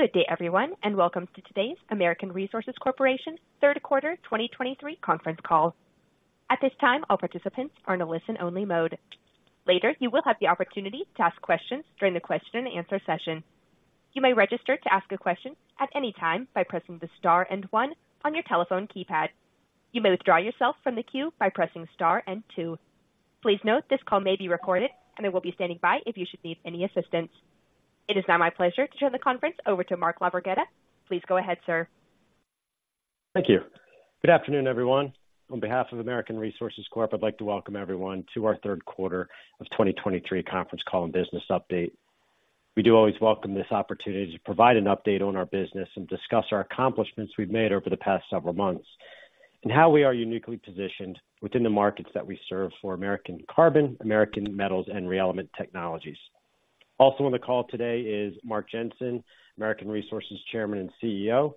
Good day, everyone, and welcome to today's American Resources Corporation Third Quarter 2023 Conference Call. At this time, all participants are in a listen-only mode. Later, you will have the opportunity to ask questions during the question-and-answer session. You may register to ask a question at any time by pressing the star and one on your telephone keypad. You may withdraw yourself from the queue by pressing star and two. Please note this call may be recorded, and I will be standing by if you should need any assistance. It is now my pleasure to turn the conference over to Mark LaVerghetta. Please go ahead, sir. Thank you. Good afternoon, everyone. On behalf of American Resources Corp, I'd like to welcome everyone to our third quarter of 2023 conference call and business update. We do always welcome this opportunity to provide an update on our business and discuss the accomplishments we've made over the past several months and how we are uniquely positioned within the markets that we serve for American Carbon, American Metals, and ReElement Technologies. Also on the call today is Mark Jensen, American Resources Chairman and CEO,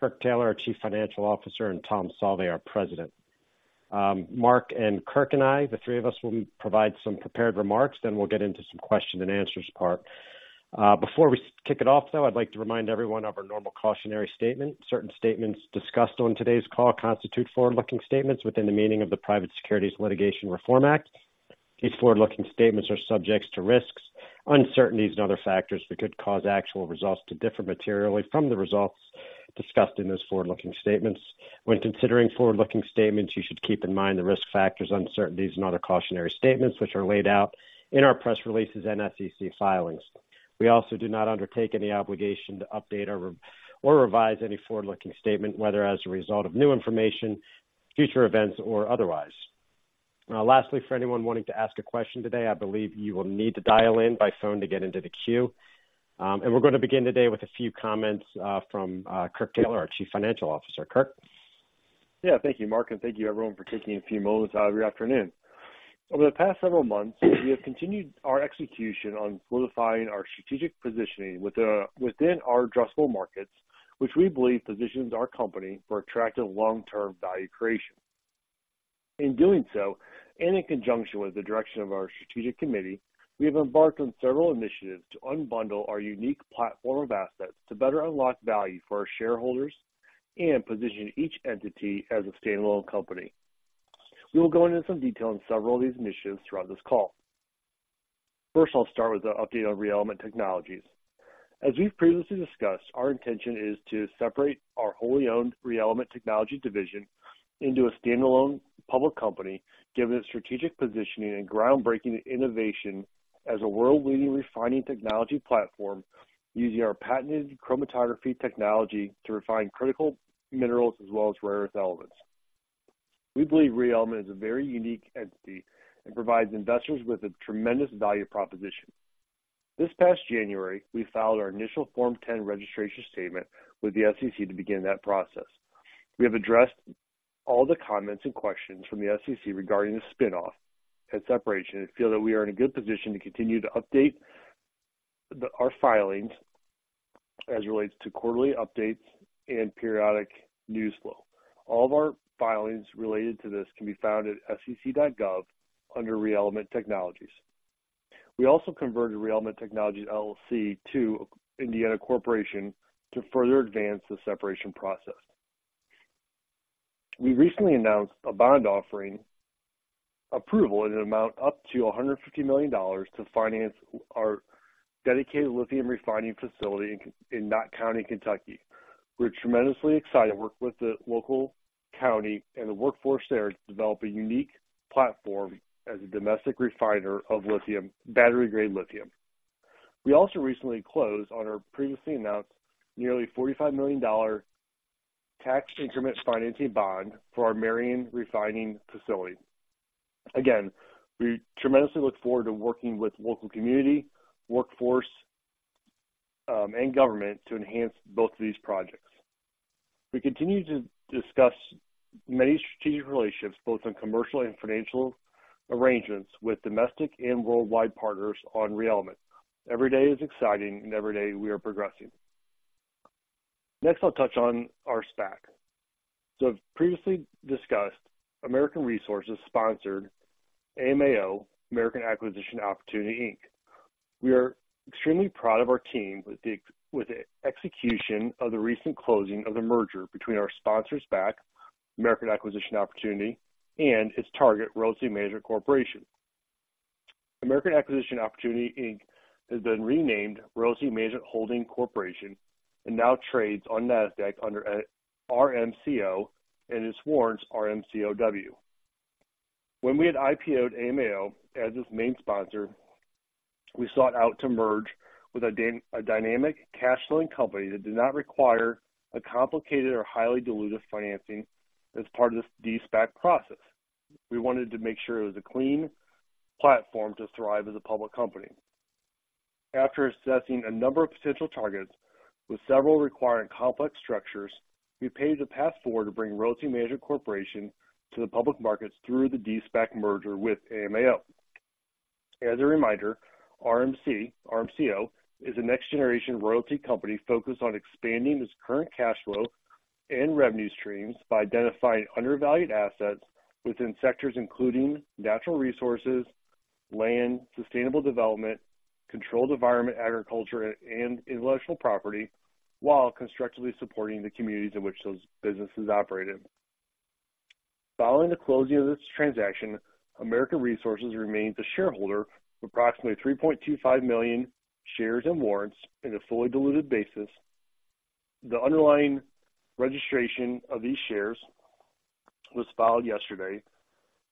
Kirk Taylor, our Chief Financial Officer, and Tom Sauve, our President. Mark and Kirk and I, the three of us, will provide some prepared remarks, then we'll get into a question-and-answer part. Before we kick it off, though, I'd like to remind everyone of our normal cautionary statement. Certain statements discussed on today's call constitute forward-looking statements within the meaning of the Private Securities Litigation Reform Act. These forward-looking statements are subject to risks, uncertainties, and other factors that could cause actual results to differ materially from the results discussed in those forward-looking statements. When considering forward-looking statements, you should keep in mind the risk factors, uncertainties, and other cautionary statements which are laid out in our press releases and SEC filings. We also do not undertake any obligation to update or revise any forward-looking statement, whether as a result of new information, future events, or otherwise. Lastly, for anyone wanting to ask a question today, I believe you will need to dial in by phone to get into the queue. We're going to begin today with a few comments from Kirk Taylor, our Chief Financial Officer. Kirk? Yeah, thank you, Mark, and thank you, everyone, for taking a few moments out of your afternoon. Over the past several months, we have continued our execution on solidifying our strategic positioning within our addressable markets, which we believe positions our company for attractive long-term value creation. In doing so, and in conjunction with the direction of our strategic committee, we have embarked on several initiatives to unbundle our unique platform of assets to better unlock value for our shareholders and position each entity as a standalone company. We will go into some detail on several of these initiatives throughout this call. First, I'll start with an update on ReElement Technologies. As we've previously discussed, our intention is to separate our wholly owned ReElement Technologies division into a standalone public company, given its strategic positioning and groundbreaking innovation as a world-leading refining technology platform using our patented chromatography technology to refine critical minerals as well as rare earth elements. We believe ReElement Technologies is a very unique entity and provides investors with a tremendous value proposition. This past January, we filed our initial Form 10 registration statement with the SEC to begin that process. We have addressed all the comments and questions from the SEC regarding the spinoff and separation and feel that we are in a good position to continue to update our filings as relates to quarterly updates and periodic news flow. All of our filings related to this can be found at sec.gov under ReElement Technologies. We also converted ReElement Technologies LLC to Indiana corporation to further advance the separation process. We recently announced a bond offering approval in an amount up to $150 million to finance our dedicated lithium refining facility in Knott County, Kentucky. We're tremendously excited to work with the local county and the workforce there to develop a unique platform as a domestic refiner of lithium, battery-grade lithium. We also recently closed on our previously announced nearly $45 million tax increment financing bond for our Marion refining facility. Again, we tremendously look forward to working with the local community, workforce, and government to enhance both of these projects. We continue to discuss many strategic relationships, both on commercial and financial arrangements, with domestic and worldwide partners on ReElement. Every day is exciting, and every day we are progressing. Next, I'll touch on our SPAC. So I've previously discussed American Resources sponsored AMAO, American Acquisition Opportunity, Inc. We are extremely proud of our team with the execution of the recent closing of the merger between our sponsor SPAC, American Acquisition Opportunity, and its target, Royalty Management Corporation. American Acquisition Opportunity, Inc. has been renamed Royalty Management Holding Corporation and now trades on NASDAQ under RMCO and its warrants, RMCOW. When we had IPOed AMAO as its main sponsor, we sought out to merge with a dynamic cash-flowing company that did not require a complicated or highly diluted financing as part of this de-SPAC process. We wanted to make sure it was a clean platform to thrive as a public company. After assessing a number of potential targets with several requiring complex structures, we paved the path forward to bring Royalty Management Corporation to the public markets through the de-SPAC merger with AMAO. As a reminder, RMCO is a next-generation royalty company focused on expanding its current cash flow and revenue streams by identifying undervalued assets within sectors including natural resources, land, sustainable development, controlled environment, agriculture, and intellectual property, while constructively supporting the communities in which those businesses operated. Following the closing of this transaction, American Resources remains a shareholder with approximately 3.25 million shares and warrants on a fully diluted basis. The underlying registration of these shares was filed yesterday,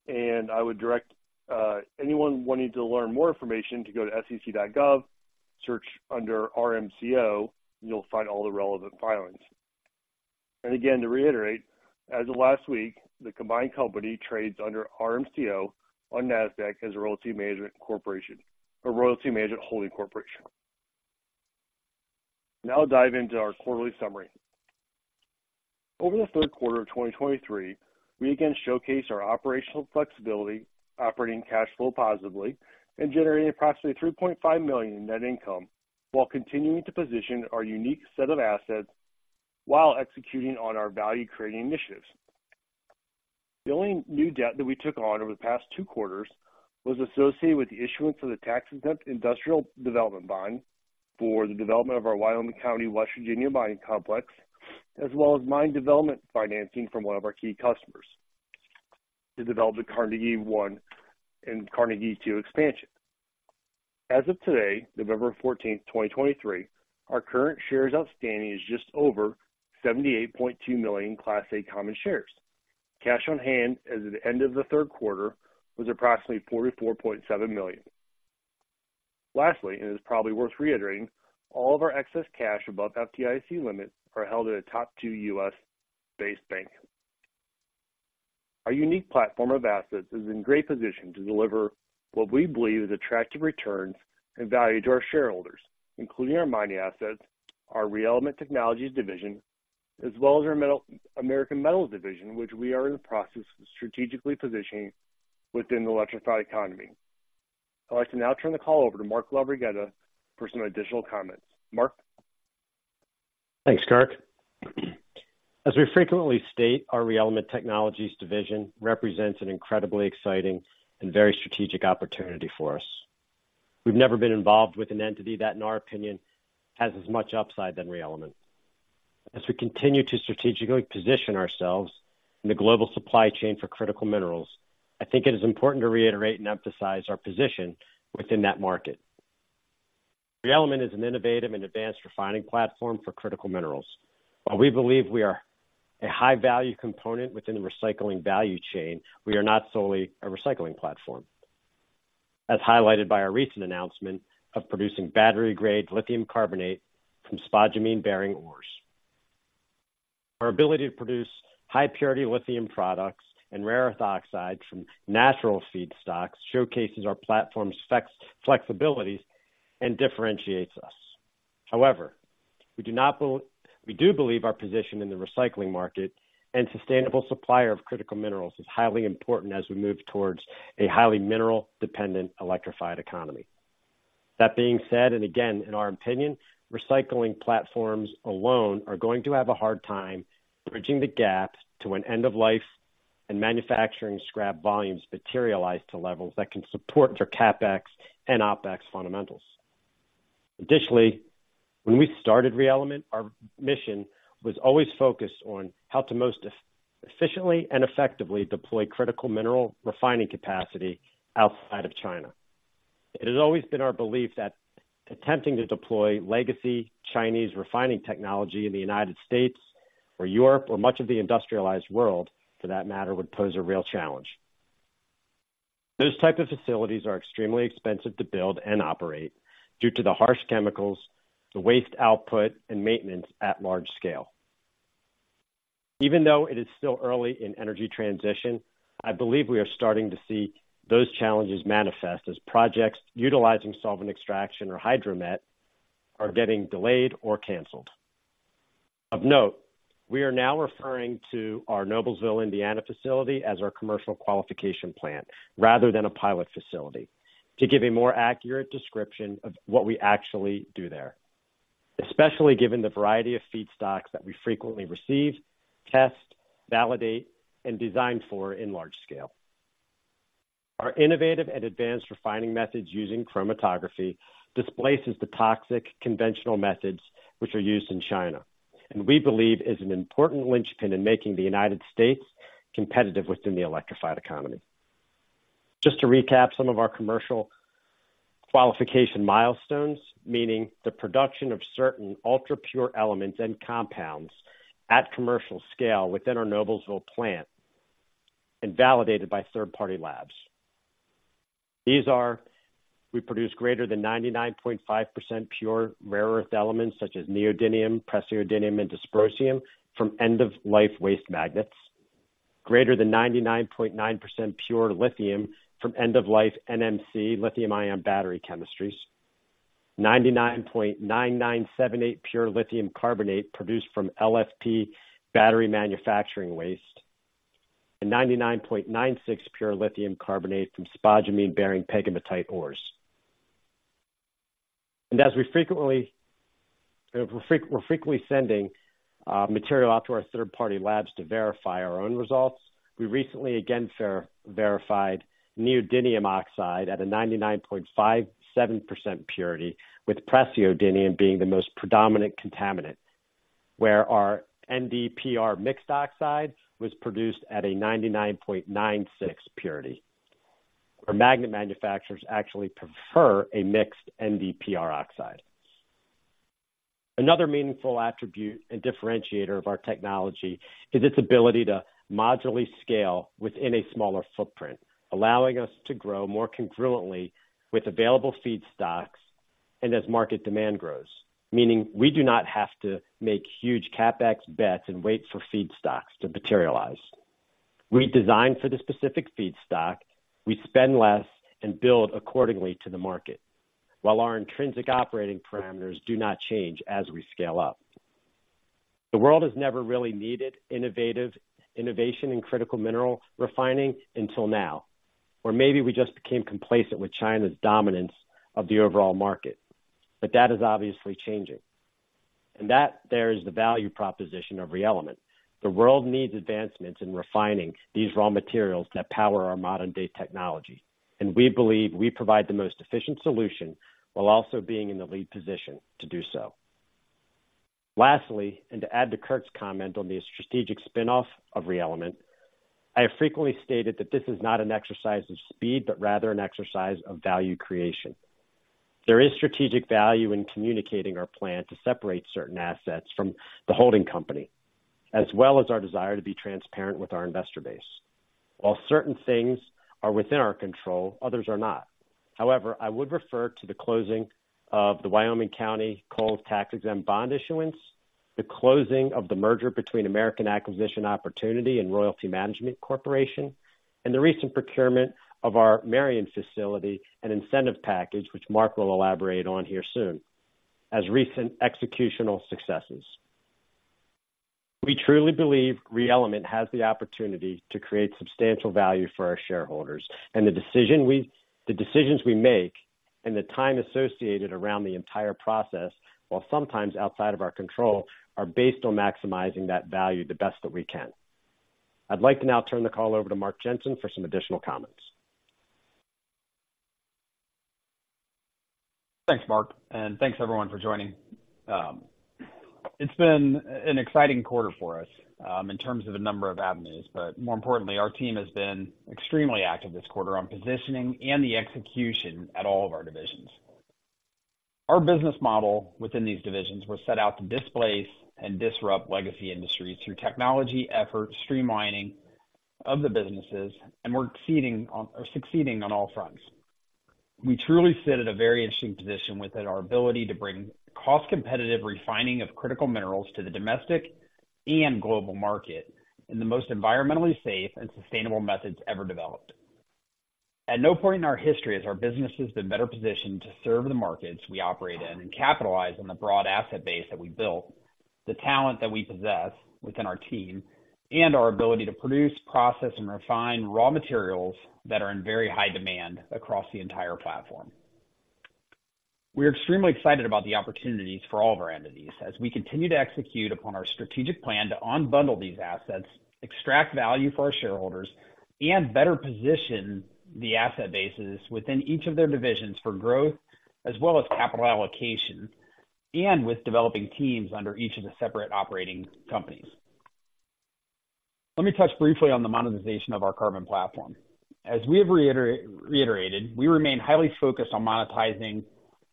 and I would direct anyone wanting to learn more information to go to SEC.gov, search under RMCO, and you'll find all the relevant filings. And again, to reiterate, as of last week, the combined company trades under RMCO on NASDAQ as a royalty management holding corporation. Now I'll dive into our quarterly summary. Over the third quarter of 2023, we again showcased our operational flexibility, operating cash flow positively, and generating approximately $3.5 million in net income while continuing to position our unique set of assets while executing on our value-creating initiatives. The only new debt that we took on over the past two quarters was associated with the issuance of the tax-exempt industrial development bond for the development of our Wyoming County, West Virginia mining complex, as well as mine development financing from one of our key customers to develop the Carnegie 1 and Carnegie 2 expansion. As of today, November 14, 2023, our current shares outstanding is just over 78.2 million Class A common shares. Cash on hand at the end of the third quarter was approximately $44.7 million. Lastly, and it's probably worth reiterating, all of our excess cash above FDIC limits are held at a top two U.S.-based bank. Our unique platform of assets is in great position to deliver what we believe is attractive returns and value to our shareholders, including our mining assets, our ReElement Technologies division, as well as our American Metals division, which we are in the process of strategically positioning within the electrified economy. I'd like to now turn the call over to Mark LaVerghetta for some additional comments. Mark? Thanks, Kirk. As we frequently state, our ReElement Technologies division represents an incredibly exciting and very strategic opportunity for us. We've never been involved with an entity that, in our opinion, has as much upside than ReElement. As we continue to strategically position ourselves in the global supply chain for critical minerals, I think it is important to reiterate and emphasize our position within that market. ReElement is an innovative and advanced refining platform for critical minerals. While we believe we are a high-value component within the recycling value chain, we are not solely a recycling platform, as highlighted by our recent announcement of producing battery-grade lithium carbonate from spodumene bearing ores. Our ability to produce high-purity lithium products and rare earth oxide from natural feedstocks showcases our platform's flexibilities and differentiates us. However, we do believe our position in the recycling market and sustainable supplier of critical minerals is highly important as we move towards a highly mineral-dependent electrified economy. That being said, and again, in our opinion, recycling platforms alone are going to have a hard time bridging the gap to an end-of-life and manufacturing scrap volumes materialized to levels that can support their CapEx and OpEx fundamentals. Additionally, when we started ReElement, our mission was always focused on how to most efficiently and effectively deploy critical mineral refining capacity outside of China. It has always been our belief that attempting to deploy legacy Chinese refining technology in the United States or Europe or much of the industrialized world, for that matter, would pose a real challenge. Those types of facilities are extremely expensive to build and operate due to the harsh chemicals, the waste output, and maintenance at large scale. Even though it is still early in energy transition, I believe we are starting to see those challenges manifest as projects utilizing solvent extraction or hydromet are getting delayed or canceled. Of note, we are now referring to our Noblesville, Indiana facility as our commercial qualification plant rather than a pilot facility to give a more accurate description of what we actually do there, especially given the variety of feedstocks that we frequently receive, test, validate, and design for in large scale. Our innovative and advanced refining methods using chromatography displaces the toxic conventional methods which are used in China, and we believe is an important linchpin in making the United States competitive within the electrified economy. Just to recap some of our commercial qualification milestones, meaning the production of certain ultra-pure elements and compounds at commercial scale within our Noblesville plant and validated by third-party labs. These are: we produce greater than 99.5% pure rare earth elements such as neodymium, praseodymium, and dysprosium from end-of-life waste magnets. Greater than 99.9% pure lithium from end-of-life NMC lithium-ion battery chemistries. 99.9978% pure lithium carbonate produced from LFP battery manufacturing waste. And 99.96% pure lithium carbonate from spodumene-bearing pegmatite ores. As we're frequently sending material out to our third-party labs to verify our own results, we recently again verified neodymium oxide at a 99.57% purity, with praseodymium being the most predominant contaminant, where our NdPr mixed oxide was produced at a 99.96% purity, where magnet manufacturers actually prefer a mixed NdPr oxide. Another meaningful attribute and differentiator of our technology is its ability to modularly scale within a smaller footprint, allowing us to grow more congruently with available feedstocks and as market demand grows, meaning we do not have to make huge CapEx bets and wait for feedstocks to materialize. We design for the specific feedstock, we spend less, and build accordingly to the market while our intrinsic operating parameters do not change as we scale up. The world has never really needed innovation in critical mineral refining until now, or maybe we just became complacent with China's dominance of the overall market, but that is obviously changing. There is the value proposition of ReElement. The world needs advancements in refining these raw materials that power our modern-day technology, and we believe we provide the most efficient solution while also being in the lead position to do so. Lastly, and to add to Kirk's comment on the strategic spinoff of ReElement, I have frequently stated that this is not an exercise of speed but rather an exercise of value creation. There is strategic value in communicating our plan to separate certain assets from the holding company, as well as our desire to be transparent with our investor base. While certain things are within our control, others are not. However, I would refer to the closing of the Wyoming County Coal Tax-Exempt Bond issuance, the closing of the merger between American Acquisition Opportunity and Royalty Management Corporation, and the recent procurement of our Marion facility and incentive package, which Mark will elaborate on here soon, as recent executional successes. We truly believe ReElement has the opportunity to create substantial value for our shareholders, and the decisions we make and the time associated around the entire process, while sometimes outside of our control, are based on maximizing that value the best that we can. I'd like to now turn the call over to Mark Jensen for some additional comments. Thanks, Mark, and thanks, everyone, for joining. It's been an exciting quarter for us in terms of a number of avenues, but more importantly, our team has been extremely active this quarter on positioning and the execution at all of our divisions. Our business model within these divisions was set out to displace and disrupt legacy industries through technology effort, streamlining of the businesses, and we're succeeding on all fronts. We truly sit at a very interesting position within our ability to bring cost-competitive refining of critical minerals to the domestic and global market in the most environmentally safe and sustainable methods ever developed. At no point in our history has our businesses been better positioned to serve the markets we operate in and capitalize on the broad asset base that we built, the talent that we possess within our team, and our ability to produce, process, and refine raw materials that are in very high demand across the entire platform. We are extremely excited about the opportunities for all of our entities as we continue to execute upon our strategic plan to unbundle these assets, extract value for our shareholders, and better position the asset bases within each of their divisions for growth as well as capital allocation, and with developing teams under each of the separate operating companies. Let me touch briefly on the monetization of our carbon platform. As we have reiterated, we remain highly focused on monetizing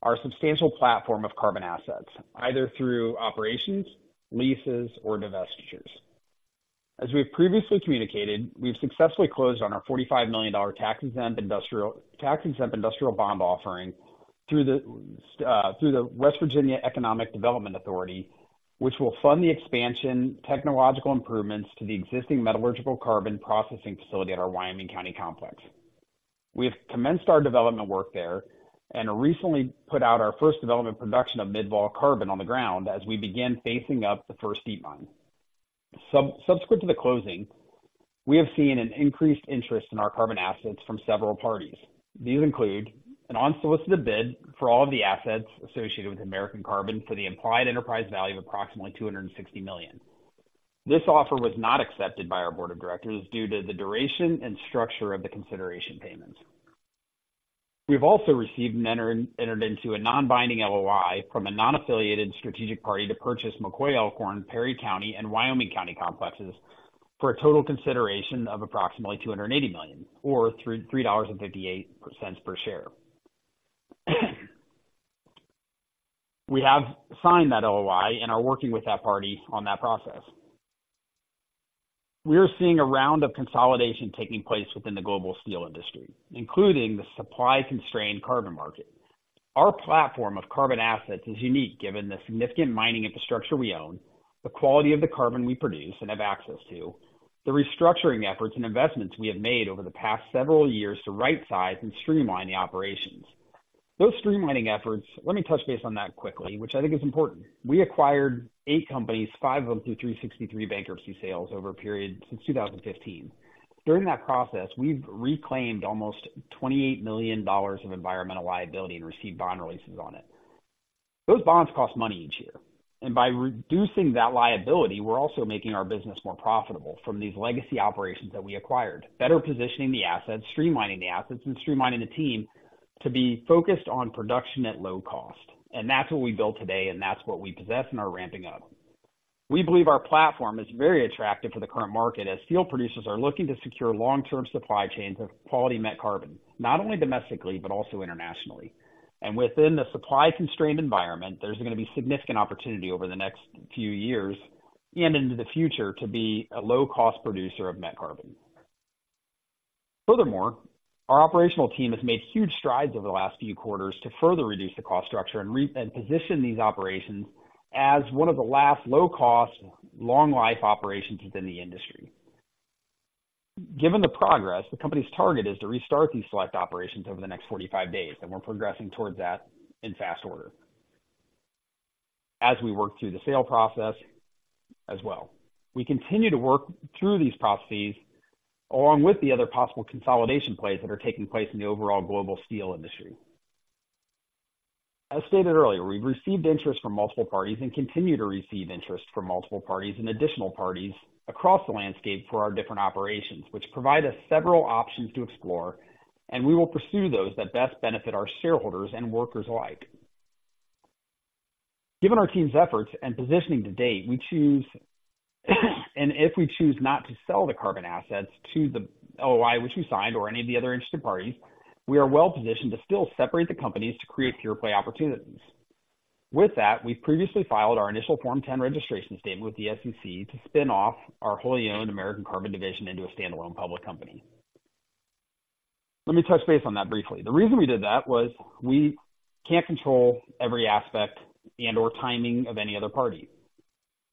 our substantial platform of carbon assets, either through operations, leases, or divestitures. As we have previously communicated, we've successfully closed on our $45 million tax-exempt industrial bond offering through the West Virginia Economic Development Authority, which will fund the expansion technological improvements to the existing metallurgical carbon processing facility at our Wyoming County complex. We have commenced our development work there and recently put out our first development production of Mid-Vol carbon on the ground as we begin facing up the first deep mine. Subsequent to the closing, we have seen an increased interest in our carbon assets from several parties. These include an unsolicited bid for all of the assets associated with American Carbon for the implied enterprise value of approximately $260 million. This offer was not accepted by our board of directors due to the duration and structure of the consideration payments. We've also received and entered into a non-binding LOI from a non-affiliated strategic party to purchase McCoy Elkhorn, Perry County, and Wyoming County complexes for a total consideration of approximately $280 million or $3.58 per share. We have signed that LOI and are working with that party on that process. We are seeing a round of consolidation taking place within the global steel industry, including the supply-constrained carbon market. Our platform of carbon assets is unique given the significant mining infrastructure we own, the quality of the carbon we produce and have access to, the restructuring efforts and investments we have made over the past several years to right-size and streamline the operations. Those streamlining efforts, let me touch base on that quickly, which I think is important, we acquired eight companies, five of them through 363 bankruptcy sales over a period since 2015. During that process, we've reclaimed almost $28 million of environmental liability and received bond releases on it. Those bonds cost money each year, and by reducing that liability, we're also making our business more profitable from these legacy operations that we acquired, better positioning the assets, streamlining the assets, and streamlining the team to be focused on production at low cost. That's what we build today, and that's what we possess, and are ramping up. We believe our platform is very attractive for the current market as steel producers are looking to secure long-term supply chains of quality met carbon, not only domestically but also internationally. Within the supply-constrained environment, there's going to be significant opportunity over the next few years and into the future to be a low-cost producer of met carbon. Furthermore, our operational team has made huge strides over the last few quarters to further reduce the cost structure and position these operations as one of the last low-cost, long-life operations within the industry. Given the progress, the company's target is to restart these select operations over the next 45 days, and we're progressing towards that in fast order as we work through the sale process as well. We continue to work through these processes along with the other possible consolidation plays that are taking place in the overall global steel industry. As stated earlier, we've received interest from multiple parties and continue to receive interest from multiple parties and additional parties across the landscape for our different operations, which provide us several options to explore, and we will pursue those that best benefit our shareholders and workers alike. Given our team's efforts and positioning to date, we choose, and if we choose not to sell the carbon assets to the LOI which we signed or any of the other interested parties, we are well positioned to still separate the companies to create fair play opportunities. With that, we've previously filed our initial Form 10 registration statement with the SEC to spin off our wholly owned American Carbon Division into a standalone public company. Let me touch base on that briefly. The reason we did that was we can't control every aspect and/or timing of any other party.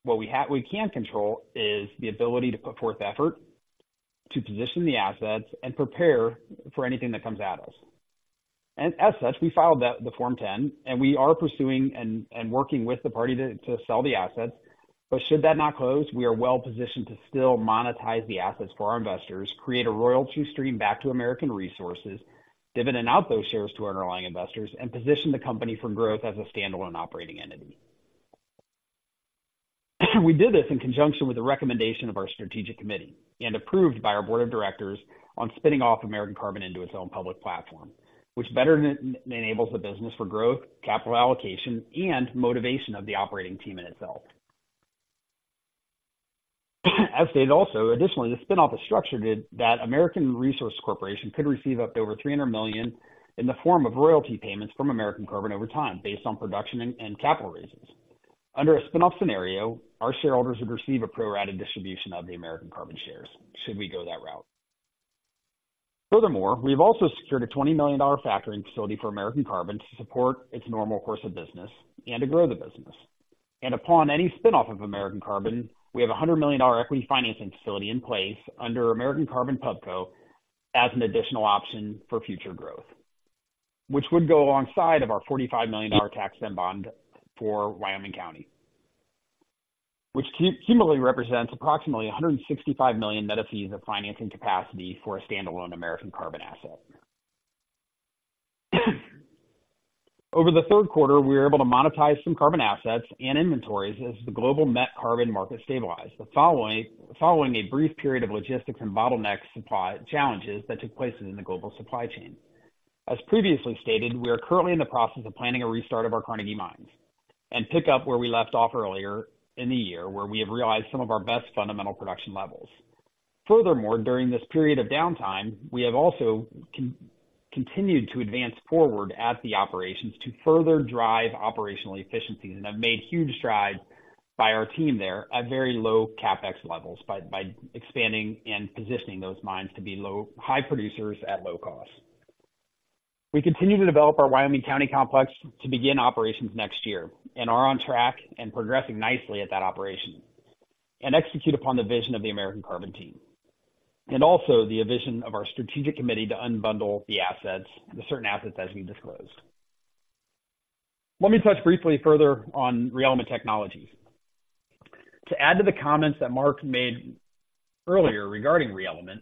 What we can control is the ability to put forth effort to position the assets and prepare for anything that comes at us. And as such, we filed the Form 10, and we are pursuing and working with the party to sell the assets. But should that not close, we are well positioned to still monetize the assets for our investors, create a royalty stream back to American Resources, dividend out those shares to our underlying investors, and position the company for growth as a standalone operating entity. We did this in conjunction with the recommendation of our strategic committee and approved by our board of directors on spinning off American Carbon into its own public platform, which better enables the business for growth, capital allocation, and motivation of the operating team in itself. As stated also, additionally, the spinoff is structured that American Resources Corporation could receive up to over $300 million in the form of royalty payments from American Carbon over time based on production and capital raises. Under a spinoff scenario, our shareholders would receive a pro-rata distribution of the American Carbon shares should we go that route. Furthermore, we have also secured a $20 million factoring facility for American Carbon to support its normal course of business and to grow the business. Upon any spinoff of American Carbon, we have a $100 million equity financing facility in place under American Carbon Pubco as an additional option for future growth, which would go alongside our $45 million tax-exempt bond for Wyoming County, which cumulatively represents approximately $165 million of financing capacity for a standalone American Carbon asset. Over the third quarter, we were able to monetize some carbon assets and inventories as the global met carbon market stabilized, following a brief period of logistics and bottleneck supply challenges that took place within the global supply chain. As previously stated, we are currently in the process of planning a restart of our Carnegie Mines and pick up where we left off earlier in the year where we have realized some of our best fundamental production levels. Furthermore, during this period of downtime, we have also continued to advance forward at the operations to further drive operational efficiencies and have made huge strides by our team there at very low CapEx levels by expanding and positioning those mines to be high producers at low cost. We continue to develop our Wyoming County complex to begin operations next year and are on track and progressing nicely at that operation and execute upon the vision of the American Carbon team and also the vision of our strategic committee to unbundle the assets, the certain assets as we disclosed. Let me touch briefly further on ReElement Technologies. To add to the comments that Mark made earlier regarding ReElement,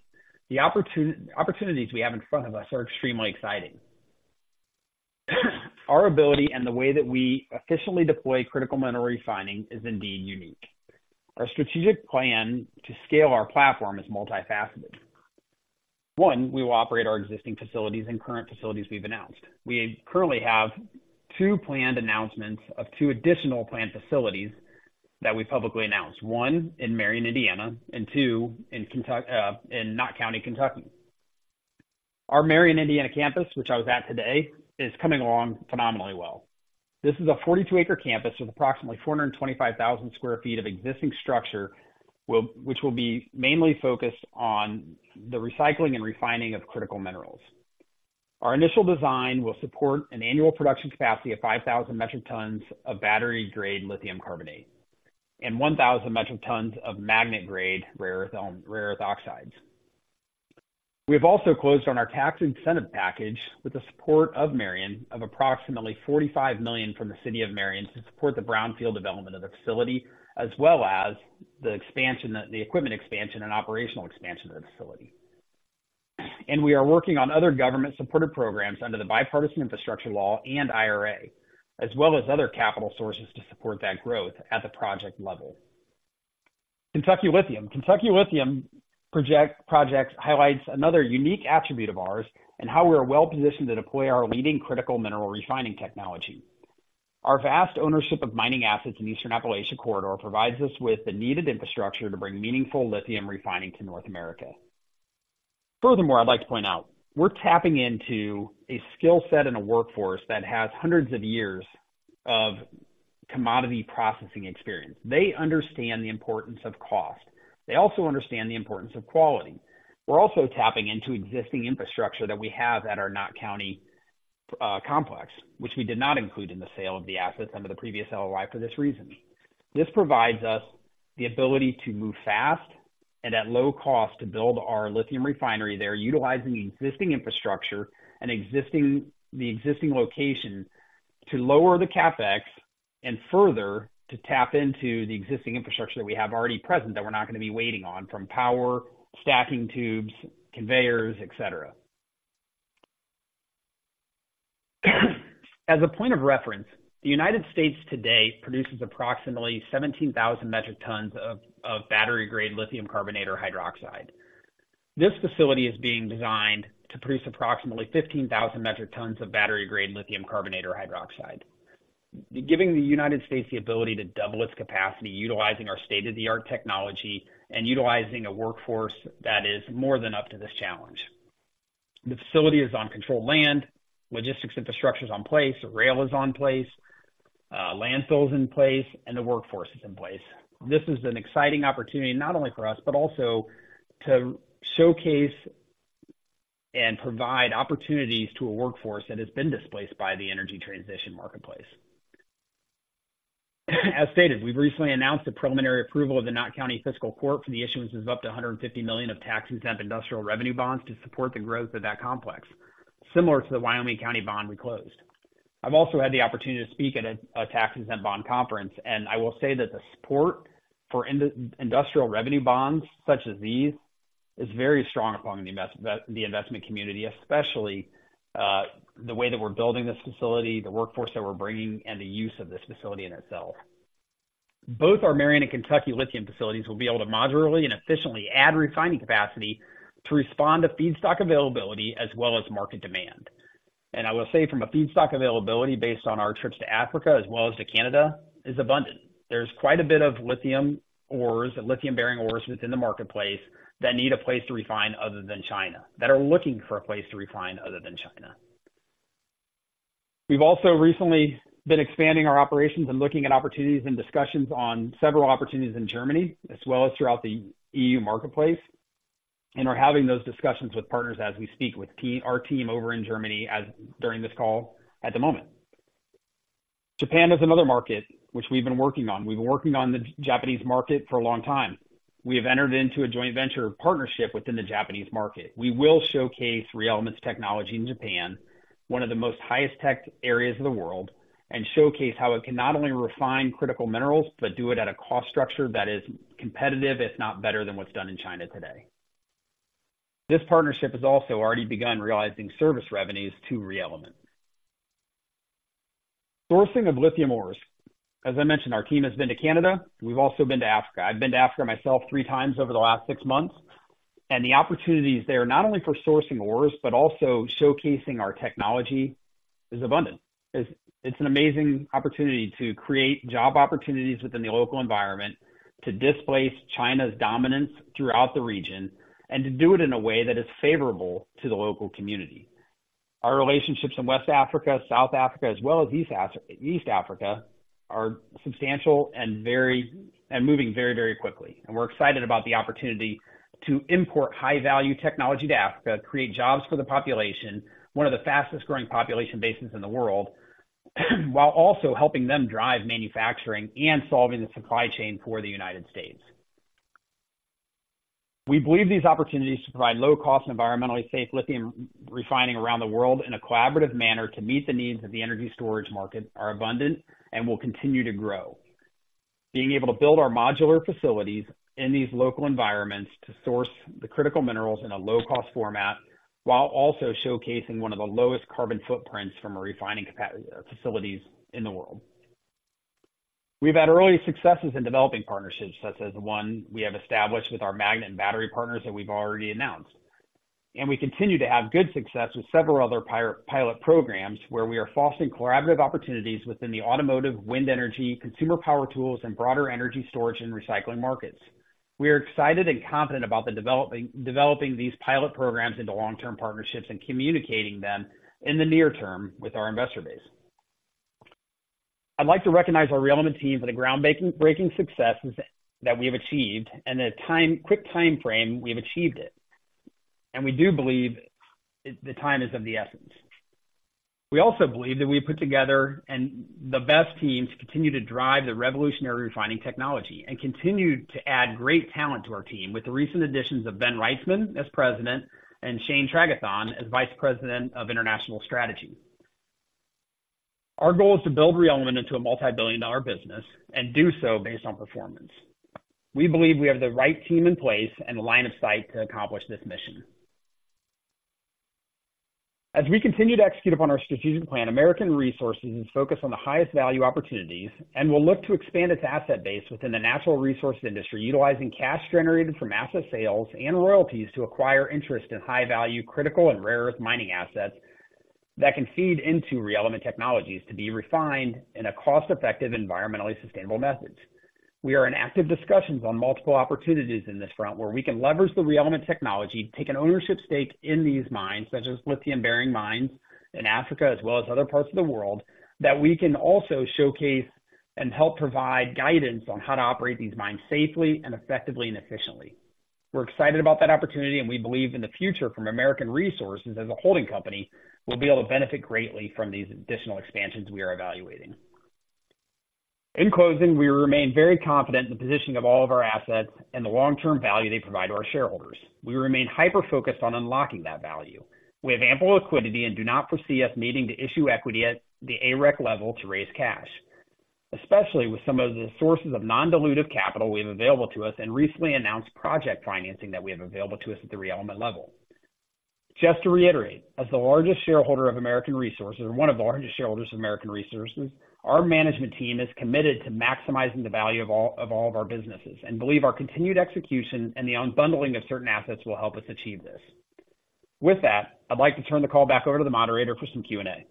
the opportunities we have in front of us are extremely exciting. Our ability and the way that we efficiently deploy critical mineral refining is indeed unique. Our strategic plan to scale our platform is multifaceted. One, we will operate our existing facilities and current facilities we've announced. We currently have two planned announcements of two additional planned facilities that we publicly announced, one in Marion, Indiana, and two in Knott County, Kentucky. Our Marion, Indiana campus, which I was at today, is coming along phenomenally well. This is a 42-acre campus with approximately 425,000 sq ft of existing structure, which will be mainly focused on the recycling and refining of critical minerals. Our initial design will support an annual production capacity of 5,000 metric tons of battery-grade lithium carbonate and 1,000 metric tons of magnet-grade rare earth oxides. We have also closed on our tax incentive package with the support of Marion of approximately $45 million from the city of Marion to support the brownfield development of the facility as well as the equipment expansion and operational expansion of the facility. We are working on other government-supported programs under the Bipartisan Infrastructure Law and IRA as well as other capital sources to support that growth at the project level. Kentucky Lithium. Kentucky Lithium projects highlights another unique attribute of ours in how we are well positioned to deploy our leading critical mineral refining technology. Our vast ownership of mining assets in the Eastern Appalachia Corridor provides us with the needed infrastructure to bring meaningful lithium refining to North America. Furthermore, I'd like to point out we're tapping into a skill set and a workforce that has hundreds of years of commodity processing experience. They understand the importance of cost. They also understand the importance of quality. We're also tapping into existing infrastructure that we have at our Knott County complex, which we did not include in the sale of the assets under the previous LOI for this reason. This provides us the ability to move fast and at low cost to build our lithium refinery there utilizing the existing infrastructure and the existing location to lower the CapEx and further to tap into the existing infrastructure that we have already present that we're not going to be waiting on from power, stacking tubes, conveyors, etc. As a point of reference, the United States today produces approximately 17,000 metric tons of battery-grade lithium carbonate or hydroxide. This facility is being designed to produce approximately 15,000 metric tons of battery-grade lithium carbonate or hydroxide, giving the United States the ability to double its capacity utilizing our state-of-the-art technology and utilizing a workforce that is more than up to this challenge. The facility is on controlled land. Logistics infrastructure is in place. Rail is in place. Landfill is in place, and the workforce is in place. This is an exciting opportunity not only for us but also to showcase and provide opportunities to a workforce that has been displaced by the energy transition marketplace. As stated, we've recently announced a preliminary approval of the Knott County Fiscal Court for the issuance of up to $150 million of tax-exempt industrial revenue bonds to support the growth of that complex, similar to the Wyoming County bond we closed. I've also had the opportunity to speak at a tax-exempt bond conference, and I will say that the support for industrial revenue bonds such as these is very strong among the investment community, especially the way that we're building this facility, the workforce that we're bringing, and the use of this facility in itself. Both our Marion and Kentucky Lithium facilities will be able to moderately and efficiently add refining capacity to respond to feedstock availability as well as market demand. And I will say from a feedstock availability based on our trips to Africa as well as to Canada is abundant. There's quite a bit of lithium ores and lithium-bearing ores within the marketplace that need a place to refine other than China that are looking for a place to refine other than China. We've also recently been expanding our operations and looking at opportunities and discussions on several opportunities in Germany as well as throughout the EU marketplace and are having those discussions with partners as we speak with our team over in Germany during this call at the moment. Japan is another market which we've been working on. We've been working on the Japanese market for a long time. We have entered into a joint venture partnership within the Japanese market. We will showcase ReElement's technology in Japan, one of the most highest-tech areas of the world, and showcase how it can not only refine critical minerals but do it at a cost structure that is competitive, if not better, than what's done in China today. This partnership has also already begun realizing service revenues to ReElement. Sourcing of lithium ores. As I mentioned, our team has been to Canada. We've also been to Africa. I've been to Africa myself 3x over the last six months. The opportunities there not only for sourcing ores but also showcasing our technology is abundant. It's an amazing opportunity to create job opportunities within the local environment, to displace China's dominance throughout the region, and to do it in a way that is favorable to the local community. Our relationships in West Africa, South Africa, as well as East Africa are substantial and moving very, very quickly. We're excited about the opportunity to import high-value technology to Africa, create jobs for the population, one of the fastest-growing population bases in the world, while also helping them drive manufacturing and solving the supply chain for the United States. We believe these opportunities to provide low-cost, environmentally safe lithium refining around the world in a collaborative manner to meet the needs of the energy storage market are abundant and will continue to grow, being able to build our modular facilities in these local environments to source the critical minerals in a low-cost format while also showcasing one of the lowest carbon footprints from refining facilities in the world. We've had early successes in developing partnerships such as the one we have established with our magnet and battery partners that we've already announced. We continue to have good success with several other pilot programs where we are fostering collaborative opportunities within the automotive, wind energy, consumer power tools, and broader energy storage and recycling markets. We are excited and confident about developing these pilot programs into long-term partnerships and communicating them in the near term with our investor base. I'd like to recognize our ReElement team for the groundbreaking successes that we have achieved and the quick time frame we have achieved it. We do believe the time is of the essence. We also believe that we have put together the best team to continue to drive the revolutionary refining technology and continue to add great talent to our team with the recent additions of Ben Wrightsman as President and Shane Tragethon as Vice President of International Strategy. Our goal is to build ReElement into a multibillion-dollar business and do so based on performance. We believe we have the right team in place and the line of sight to accomplish this mission. As we continue to execute upon our strategic plan, American Resources is focused on the highest-value opportunities and will look to expand its asset base within the natural resources industry utilizing cash generated from asset sales and royalties to acquire interest in high-value, critical, and rare earth mining assets that can feed into ReElement Technologies to be refined in a cost-effective, environmentally sustainable method. We are in active discussions on multiple opportunities in this front where we can leverage the ReElement technology, take an ownership stake in these mines such as lithium-bearing mines in Africa as well as other parts of the world that we can also showcase and help provide guidance on how to operate these mines safely and effectively and efficiently. We're excited about that opportunity, and we believe in the future from American Resources as a holding company, we'll be able to benefit greatly from these additional expansions we are evaluating. In closing, we remain very confident in the positioning of all of our assets and the long-term value they provide to our shareholders. We remain hyper-focused on unlocking that value. We have ample liquidity and do not foresee us needing to issue equity at the AREC level to raise cash, especially with some of the sources of non-dilutive capital we have available to us and recently announced project financing that we have available to us at the ReElement level. Just to reiterate, as the largest shareholder of American Resources or one of the largest shareholders of American Resources, our management team is committed to maximizing the value of all of our businesses and believe our continued execution and the unbundling of certain assets will help us achieve this. With that, I'd like to turn the call back over to the moderator for some Q&A.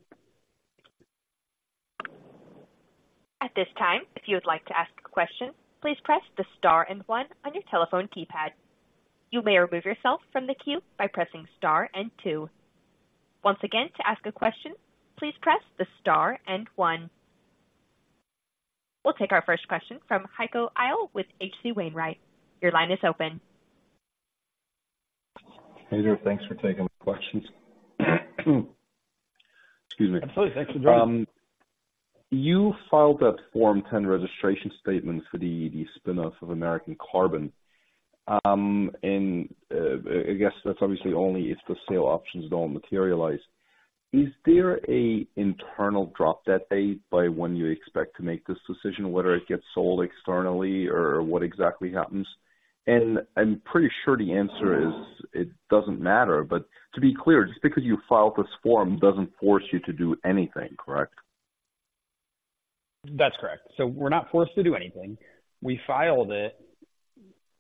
At this time, if you would like to ask a question, please press the star and one on your telephone keypad. You may remove yourself from the queue by pressing star and two. Once again, to ask a question, please press the star and one. We'll take our first question from Heiko Ihle with HC Wainwright. Your line is open. Hey there. Thanks for taking my questions. Excuse me. Absolutely. Thanks for joining. You filed a Form 10 registration statement for the spinoff of American Carbon. I guess that's obviously only if the sale options don't materialize. Is there an internal drop-dead date by when you expect to make this decision, whether it gets sold externally or what exactly happens? I'm pretty sure the answer is it doesn't matter. To be clear, just because you filed this form doesn't force you to do anything, correct? That's correct. So we're not forced to do anything. We filed it.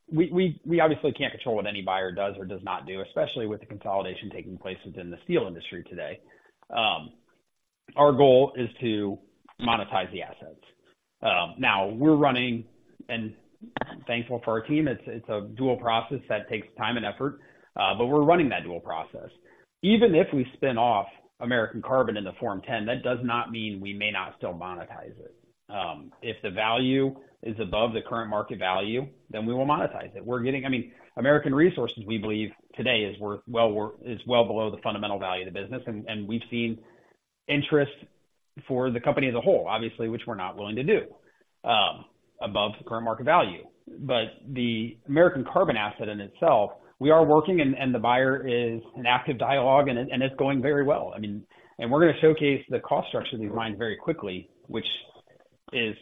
We obviously can't control what any buyer does or does not do, especially with the consolidation taking place within the steel industry today. Our goal is to monetize the assets. Now, we're running and thankful for our team. It's a dual process that takes time and effort, but we're running that dual process. Even if we spin off American Carbon in the Form 10, that does not mean we may not still monetize it. If the value is above the current market value, then we will monetize it. I mean, American Resources, we believe today, is well below the fundamental value of the business. And we've seen interest for the company as a whole, obviously, which we're not willing to do above the current market value. But the American Carbon asset in itself, we are working, and the buyer is in active dialogue, and it's going very well. I mean, and we're going to showcase the cost structure of these mines very quickly, which is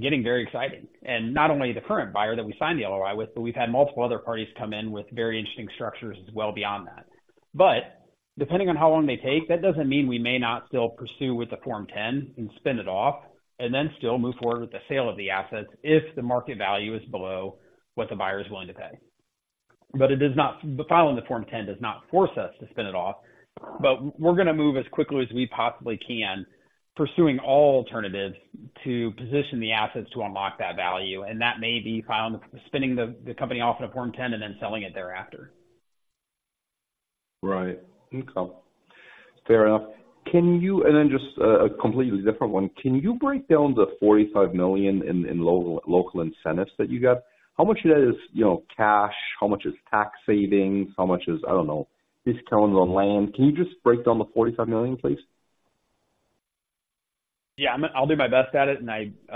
getting very exciting. And not only the current buyer that we signed the LOI with, but we've had multiple other parties come in with very interesting structures as well beyond that. But depending on how long they take, that doesn't mean we may not still pursue with the Form 10 and spin it off and then still move forward with the sale of the assets if the market value is below what the buyer is willing to pay. But filing the Form 10 does not force us to spin it off. But we're going to move as quickly as we possibly can, pursuing all alternatives to position the assets to unlock that value. And that may be spinning the company off in a Form 10 and then selling it thereafter. Right. Okay. Fair enough. And then just a completely different one. Can you break down the $45 million in local incentives that you got? How much of that is cash? How much is tax savings? How much is discounts on land? Can you just break down the $45 million, please? Yeah. I'll do my best at it. It's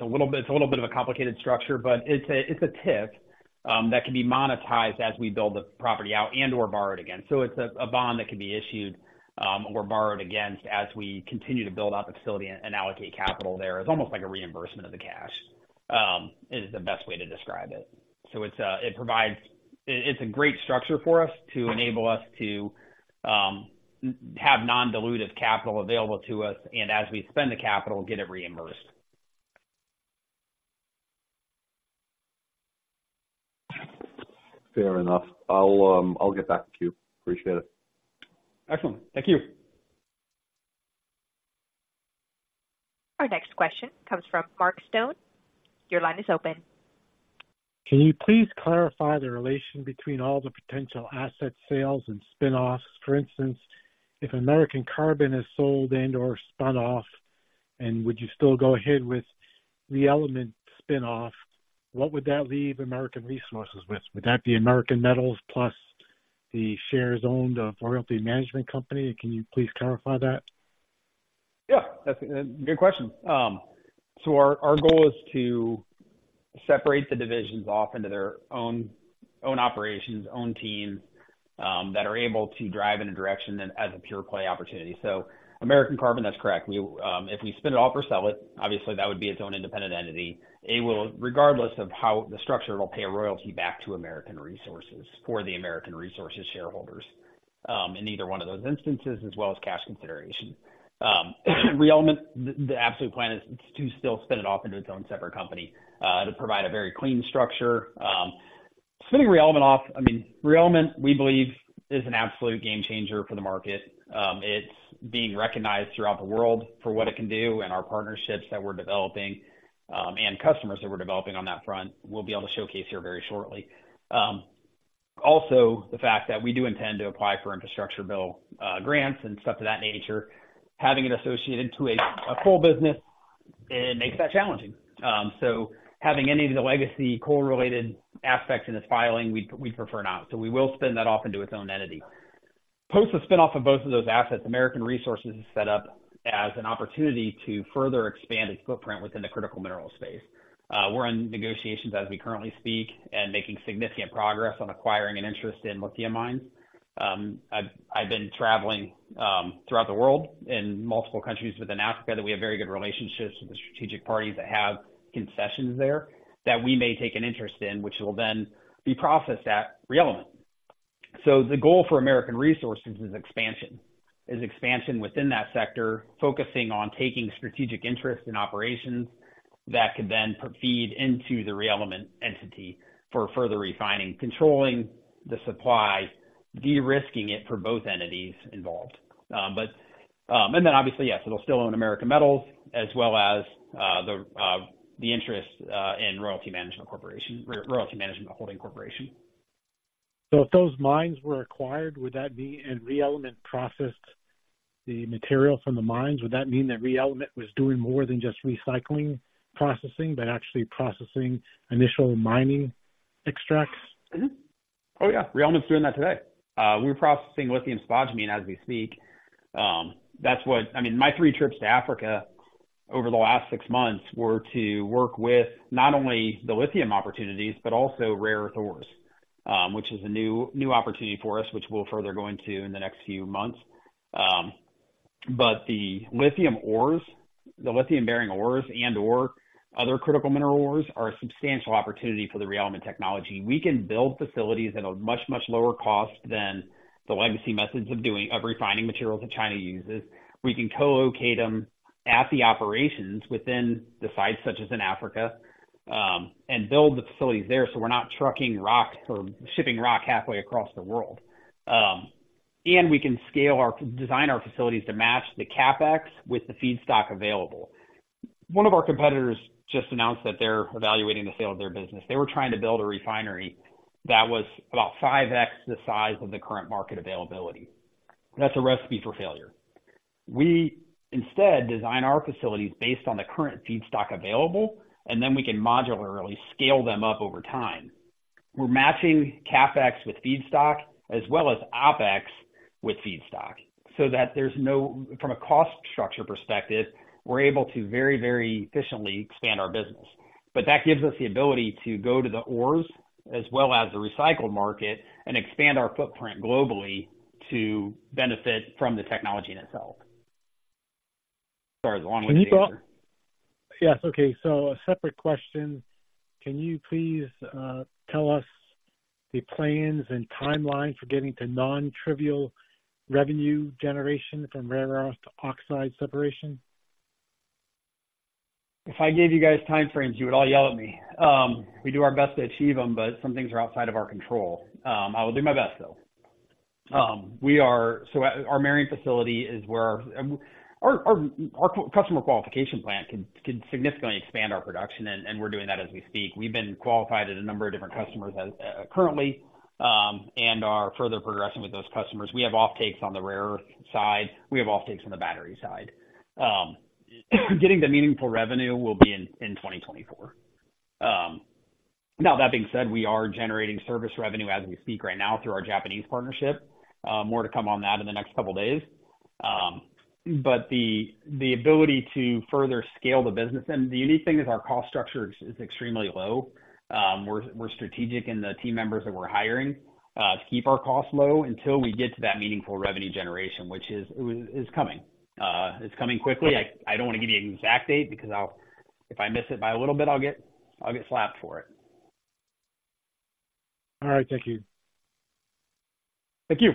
a little bit of a complicated structure, but it's a TIF that can be monetized as we build the property out and/or borrow it again. It's a bond that can be issued or borrowed against as we continue to build out the facility and allocate capital there. It's almost like a reimbursement of the cash is the best way to describe it. It's a great structure for us to enable us to have non-dilutive capital available to us and, as we spend the capital, get it reimbursed. Fair enough. I'll get back to you. Appreciate it. Excellent. Thank you. Our next question comes from Mark Ferguson. Your line is open. Can you please clarify the relation between all the potential asset sales and spinoffs? For instance, if American Carbon is sold and/or spun off, and would you still go ahead with ReElement spinoff, what would that leave American Resources with? Would that be American Metals plus the shares owned of Royalty Management Company? Can you please clarify that? Yeah. That's a good question. So our goal is to separate the divisions off into their own operations, own teams that are able to drive in a direction as a pure-play opportunity. So American Carbon, that's correct. If we spin it off or sell it, obviously, that would be its own independent entity. Regardless of how the structure, it'll pay a royalty back to American Resources for the American Resources shareholders in either one of those instances as well as cash consideration. ReElement, the absolute plan is to still spin it off into its own separate company to provide a very clean structure. Spinning ReElement off, I mean, ReElement, we believe, is an absolute game changer for the market. It's being recognized throughout the world for what it can do and our partnerships that we're developing and customers that we're developing on that front. We'll be able to showcase here very shortly. Also, the fact that we do intend to apply for infrastructure bill grants and stuff of that nature, having it associated to a coal business, it makes that challenging. So having any of the legacy coal-related aspects in this filing, we'd prefer not. So we will spin that off into its own entity. Post the spinoff of both of those assets, American Resources is set up as an opportunity to further expand its footprint within the critical mineral space. We're in negotiations as we currently speak and making significant progress on acquiring an interest in lithium mines. I've been traveling throughout the world in multiple countries within Africa that we have very good relationships with the strategic parties that have concessions there that we may take an interest in, which will then be processed at ReElement. The goal for American Resources is expansion, is expansion within that sector, focusing on taking strategic interest in operations that could then feed into the ReElement entity for further refining, controlling the supply, de-risking it for both entities involved. And then, obviously, yes, it'll still own American Metals as well as the interest in Royalty Management Corporation, Royalty Management Holding Corporation. If those mines were acquired, would that be, and ReElement processed the material from the mines, would that mean that ReElement was doing more than just recycling, processing, but actually processing initial mining extracts? Oh, yeah. ReElement's doing that today. We're processing lithium spodumene as we speak. I mean, my three trips to Africa over the last six months were to work with not only the lithium opportunities but also rare earth ores, which is a new opportunity for us, which we'll further go into in the next few months. But the lithium ores, the lithium-bearing ores and/or other critical mineral ores are a substantial opportunity for the ReElement technology. We can build facilities at a much, much lower cost than the legacy methods of refining materials that China uses. We can collocate them at the operations within the sites such as in Africa and build the facilities there so we're not trucking rock or shipping rock halfway across the world. And we can design our facilities to match the CapEx with the feedstock available. One of our competitors just announced that they're evaluating the sale of their business. They were trying to build a refinery that was about 5X the size of the current market availability. That's a recipe for failure. We instead design our facilities based on the current feedstock available, and then we can modularly scale them up over time. We're matching CapEx with feedstock as well as OpEx with feedstock so that there's no from a cost structure perspective, we're able to very, very efficiently expand our business. But that gives us the ability to go to the ores as well as the recycled market and expand our footprint globally to benefit from the technology in itself. Sorry, is it long ways to answer? Yes. Okay. So a separate question. Can you please tell us the plans and timeline for getting to non-trivial revenue generation from rare earth to oxide separation? If I gave you guys time frames, you would all yell at me. We do our best to achieve them, but some things are outside of our control. I will do my best, though. Our Marion facility is where our customer qualification plant could significantly expand our production, and we're doing that as we speak. We've been qualified at a number of different customers currently and are further progressing with those customers. We have offtakes on the rare earth side. We have offtakes on the battery side. Getting the meaningful revenue will be in 2024. Now, that being said, we are generating service revenue as we speak right now through our Japanese partnership. More to come on that in the next couple of days. The ability to further scale the business and the unique thing is our cost structure is extremely low. We're strategic in the team members that we're hiring to keep our costs low until we get to that meaningful revenue generation, which is coming. It's coming quickly. I don't want to give you the exact date because if I miss it by a little bit, I'll get slapped for it. All right. Thank you. Thank you.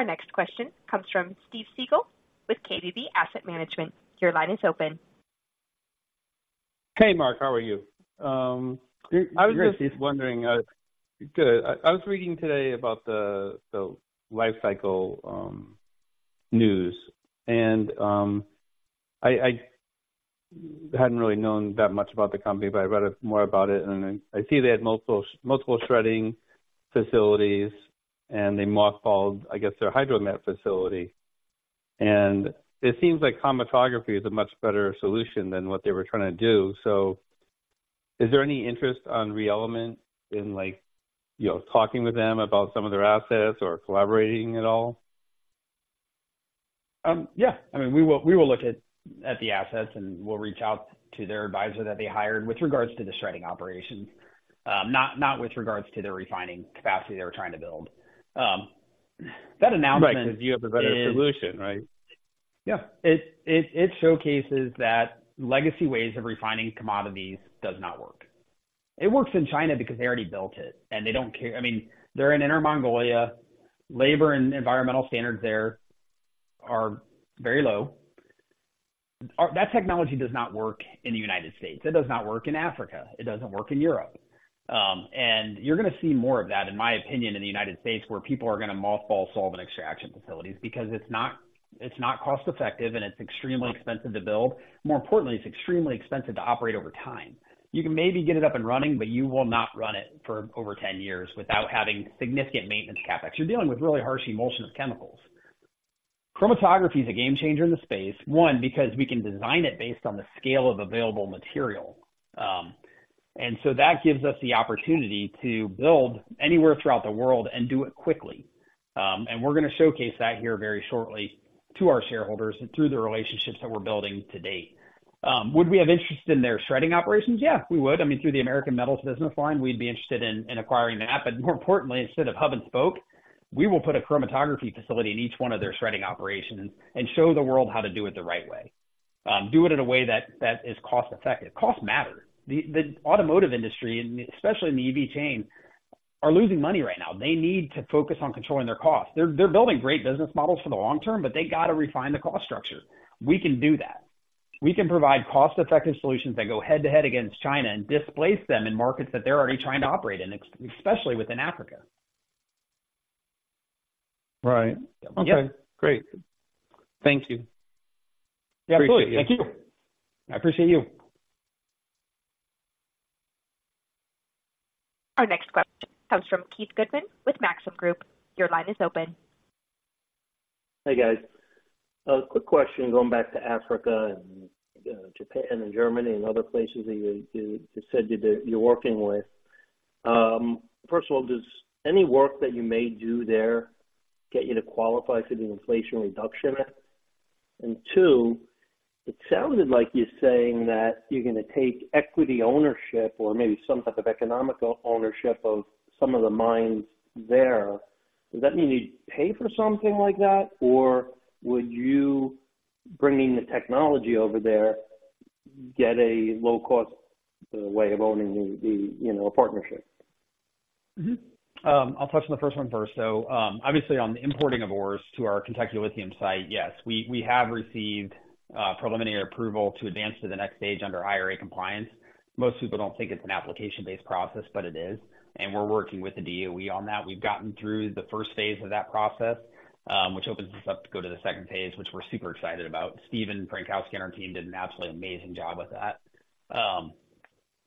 Our next question comes from Steve Segal with KBB Asset Management. Your line is open. Hey, Mark. How are you? I was just wondering. I was reading today about the Li-Cycle news. And I hadn't really known that much about the company, but I read more about it. And I see they had multiple shredding facilities, and they mothballed, I guess, their hydromet facility. And it seems like chromatography is a much better solution than what they were trying to do. So is there any interest on ReElement in talking with them about some of their assets or collaborating at all? Yeah. I mean, we will look at the assets, and we'll reach out to their advisor that they hired with regards to the shredding operations, not with regards to the refining capacity they were trying to build. That announcement is. Right. Because you have a better solution, right? Yeah. It showcases that legacy ways of refining commodities do not work. It works in China because they already built it, and they don't care. I mean, they're in Inner Mongolia. Labor and environmental standards there are very low. That technology does not work in the United States. It does not work in Africa. It doesn't work in Europe. And you're going to see more of that, in my opinion, in the United States where people are going to mothball solvent extraction facilities because it's not cost-effective, and it's extremely expensive to build. More importantly, it's extremely expensive to operate over time. You can maybe get it up and running, but you will not run it for over 10 years without having significant maintenance CapEx. You're dealing with really harsh emulsion of chemicals. Chromatography is a game changer in the space, 1, because we can design it based on the scale of available material. And so that gives us the opportunity to build anywhere throughout the world and do it quickly. And we're going to showcase that here very shortly to our shareholders through the relationships that we're building to date. Would we have interest in their shredding operations? Yeah, we would. I mean, through the American Metals business line, we'd be interested in acquiring that. But more importantly, instead of hub and spoke, we will put a chromatography facility in each one of their shredding operations and show the world how to do it the right way, do it in a way that is cost-effective. Costs matter. The automotive industry, especially in the EV chain, are losing money right now. They need to focus on controlling their costs. They're building great business models for the long term, but they got to refine the cost structure. We can do that. We can provide cost-effective solutions that go head-to-head against China and displace them in markets that they're already trying to operate in, especially within Africa. Right. Okay. Great. Thank you. Yeah. Thank you. I appreciate you. Our next question comes from Keith Goodman with Maxim Group. Your line is open. Hey, guys. Quick question going back to Africa and Japan and Germany and other places that you said you're working with. First of all, does any work that you may do there get you to qualify for the inflation reduction? And two, it sounded like you're saying that you're going to take equity ownership or maybe some type of economic ownership of some of the mines there. Does that mean you'd pay for something like that, or would you, bringing the technology over there, get a low-cost way of owning a partnership? I'll touch on the first one first. So obviously, on the importing of ores to our Kentucky Lithium site, yes, we have received preliminary approval to advance to the next stage under IRA compliance. Most people don't think it's an application-based process, but it is. And we're working with the DOE on that. We've gotten through the first phase of that process, which opens us up to go to the second phase, which we're super excited about. Stephen Frankowski and our team did an absolutely amazing job with that.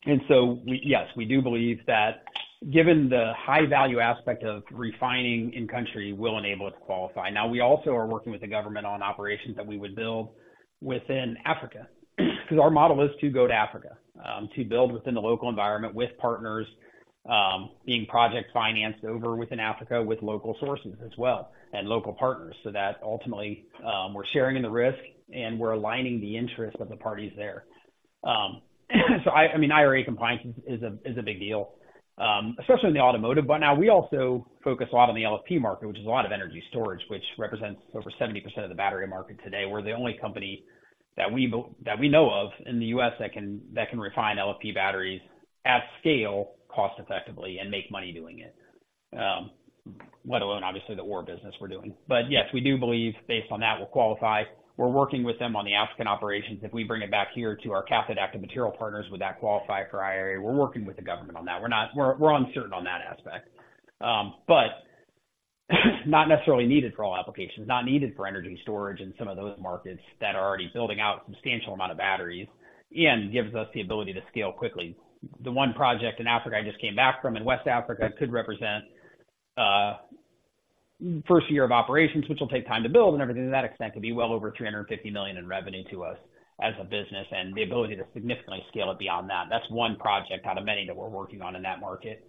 And so yes, we do believe that given the high-value aspect of refining in-country, we'll enable it to qualify. Now, we also are working with the government on operations that we would build within Africa because our model is to go to Africa, to build within the local environment with partners being project-financed over within Africa with local sources as well and local partners so that ultimately, we're sharing in the risk, and we're aligning the interests of the parties there. So I mean, IRA compliance is a big deal, especially in the automotive. But now, we also focus a lot on the LFP market, which is a lot of energy storage, which represents over 70% of the battery market today. We're the only company that we know of in the U.S. that can refine LFP batteries at scale, cost-effectively, and make money doing it, let alone, obviously, the ore business we're doing. But yes, we do believe, based on that, we'll qualify. We're working with them on the African operations. If we bring it back here to our cathode active material partners, would that qualify for IRA? We're working with the government on that. We're uncertain on that aspect, but not necessarily needed for all applications, not needed for energy storage in some of those markets that are already building out a substantial amount of batteries and gives us the ability to scale quickly. The one project in Africa I just came back from in West Africa could represent the first year of operations, which will take time to build and everything to that extent. It could be well over $350 million in revenue to us as a business and the ability to significantly scale it beyond that. That's one project out of many that we're working on in that market.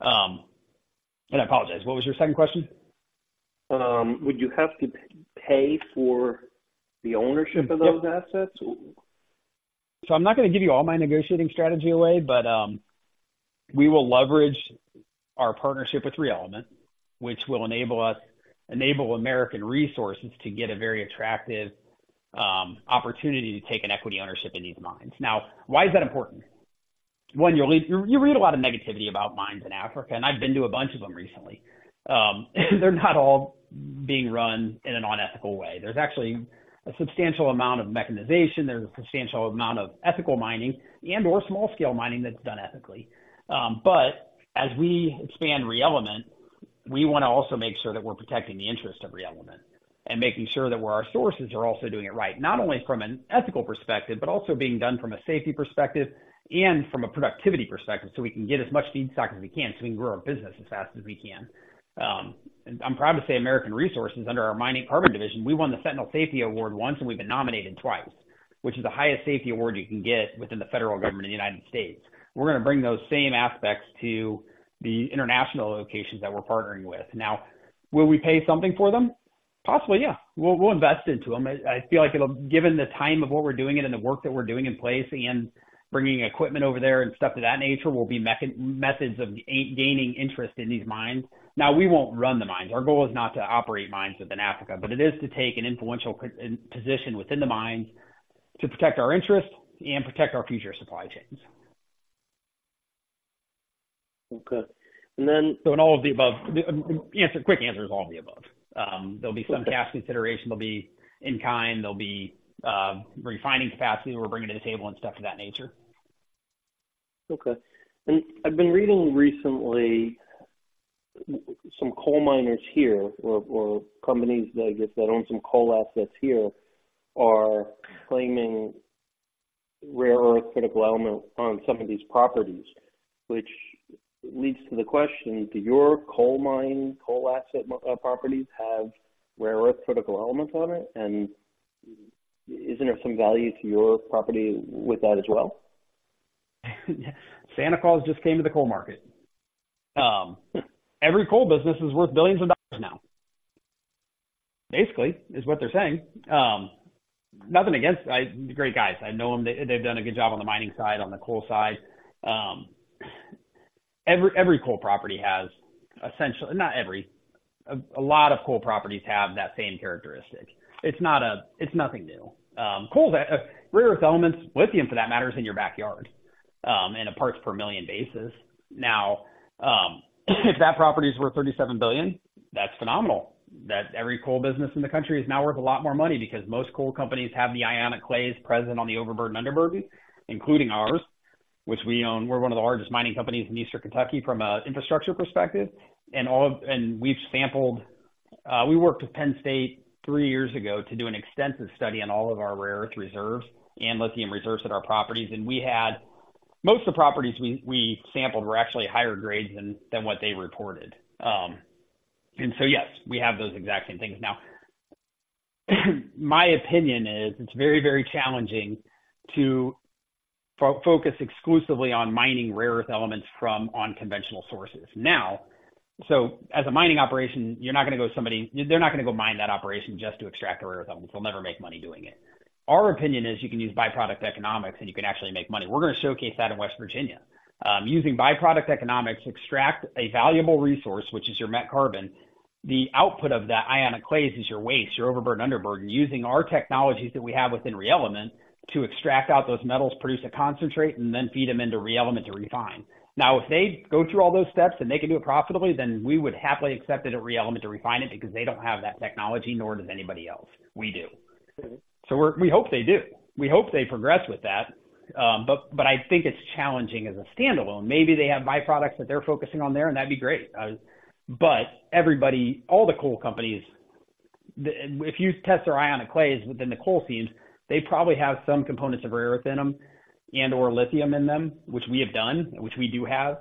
And I apologize. What was your second question? Would you have to pay for the ownership of those assets? So I'm not going to give you all my negotiating strategy away, but we will leverage our partnership with ReElement, which will enable American Resources to get a very attractive opportunity to take an equity ownership in these mines. Now, why is that important? One, you read a lot of negativity about mines in Africa, and I've been to a bunch of them recently. They're not all being run in an unethical way. There's actually a substantial amount of mechanization. There's a substantial amount of ethical mining and/or small-scale mining that's done ethically. But as we expand ReElement, we want to also make sure that we're protecting the interest of ReElement and making sure that our sources are also doing it right, not only from an ethical perspective but also being done from a safety perspective and from a productivity perspective so we can get as much feedstock as we can so we can grow our business as fast as we can. And I'm proud to say American Resources, under our mining carbon division, we won the Sentinel of Safety Award once, and we've been nominated twice, which is the highest safety award you can get within the federal government in the United States. We're going to bring those same aspects to the international locations that we're partnering with. Now, will we pay something for them? Possibly, yeah. We'll invest into them. I feel like, given the time of what we're doing it and the work that we're doing in place and bringing equipment over there and stuff of that nature, will be methods of gaining interest in these mines. Now, we won't run the mines. Our goal is not to operate mines within Africa, but it is to take an influential position within the mines to protect our interest and protect our future supply chains. Okay. So in all of the above quick answers, all of the above. There'll be some cash consideration. There'll be in-kind. There'll be refining capacity that we're bringing to the table and stuff of that nature. Okay. I've been reading recently some coal miners here or companies, I guess, that own some coal assets here are claiming rare earth critical element on some of these properties, which leads to the question, do your coal mine, coal asset properties have rare earth critical elements on it? And isn't there some value to your property with that as well? Santa Claus just came to the coal market. Every coal business is worth billions of dollars now, basically, is what they're saying. Nothing against great guys. I know them. They've done a good job on the mining side, on the coal side. Every coal property has essentially not every. A lot of coal properties have that same characteristic. It's nothing new. Rare earth elements, lithium for that matter, is in your backyard in a parts per million basis. Now, if that property is worth $37 billion, that's phenomenal that every coal business in the country is now worth a lot more money because most coal companies have the Ionic clays present on the overburden underburden, including ours, which we own. We're one of the largest mining companies in Eastern Kentucky from an infrastructure perspective. And we've sampled. We worked with Penn State three years ago to do an extensive study on all of our rare earth reserves and lithium reserves at our properties. Most of the properties we sampled were actually higher grades than what they reported. So yes, we have those exact same things. Now, my opinion is it's very, very challenging to focus exclusively on mining rare earth elements from unconventional sources. So as a mining operation, you're not going to go, somebody they're not going to go mine that operation just to extract the rare earth elements. They'll never make money doing it. Our opinion is you can use byproduct economics, and you can actually make money. We're going to showcase that in West Virginia. Using byproduct economics, extract a valuable resource, which is your met carbon. The output of that ionic clays is your waste, your overburden underburden, using our technologies that we have within ReElement to extract out those metals, produce a concentrate, and then feed them into ReElement to refine. Now, if they go through all those steps and they can do it profitably, then we would happily accept it at ReElement to refine it because they don't have that technology, nor does anybody else. We do. So we hope they do. We hope they progress with that. But I think it's challenging as a standalone. Maybe they have byproducts that they're focusing on there, and that'd be great. But all the coal companies, if you test their ionic clays within the coal seams, they probably have some components of rare earth in them and/or lithium in them, which we have done, which we do have.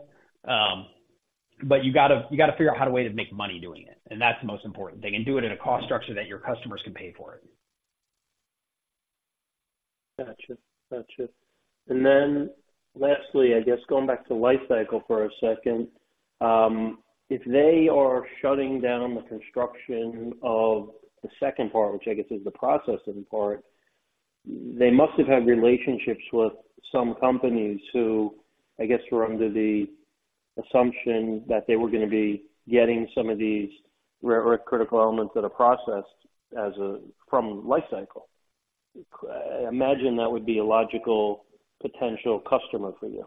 But you got to figure out how to wait to make money doing it. And that's the most important thing, and do it at a cost structure that your customers can pay for it. Gotcha. And then lastly, going back to Li-Cycle for a second, if they are shutting down the construction of the second part, which I guess is the processing part, they must have had relationships with some companies who, I guess, were under the assumption that they were going to be getting some of these rare earth critical elements that are processed from Li-Cycle. Imagine that would be a logical potential customer for you.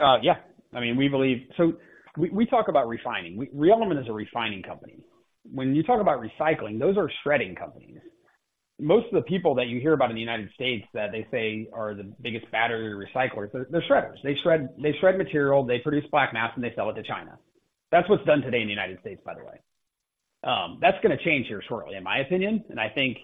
Yeah. I mean, we believe so we talk about refining. ReElement is a refining company. When you talk about recycling, those are shredding companies. Most of the people that you hear about in the United States that they say are the biggest battery recyclers, they're shredders. They shred material. They produce black mass, and they sell it to China. That's what's done today in the United States, by the way. That's going to change here shortly, in my opinion. And I think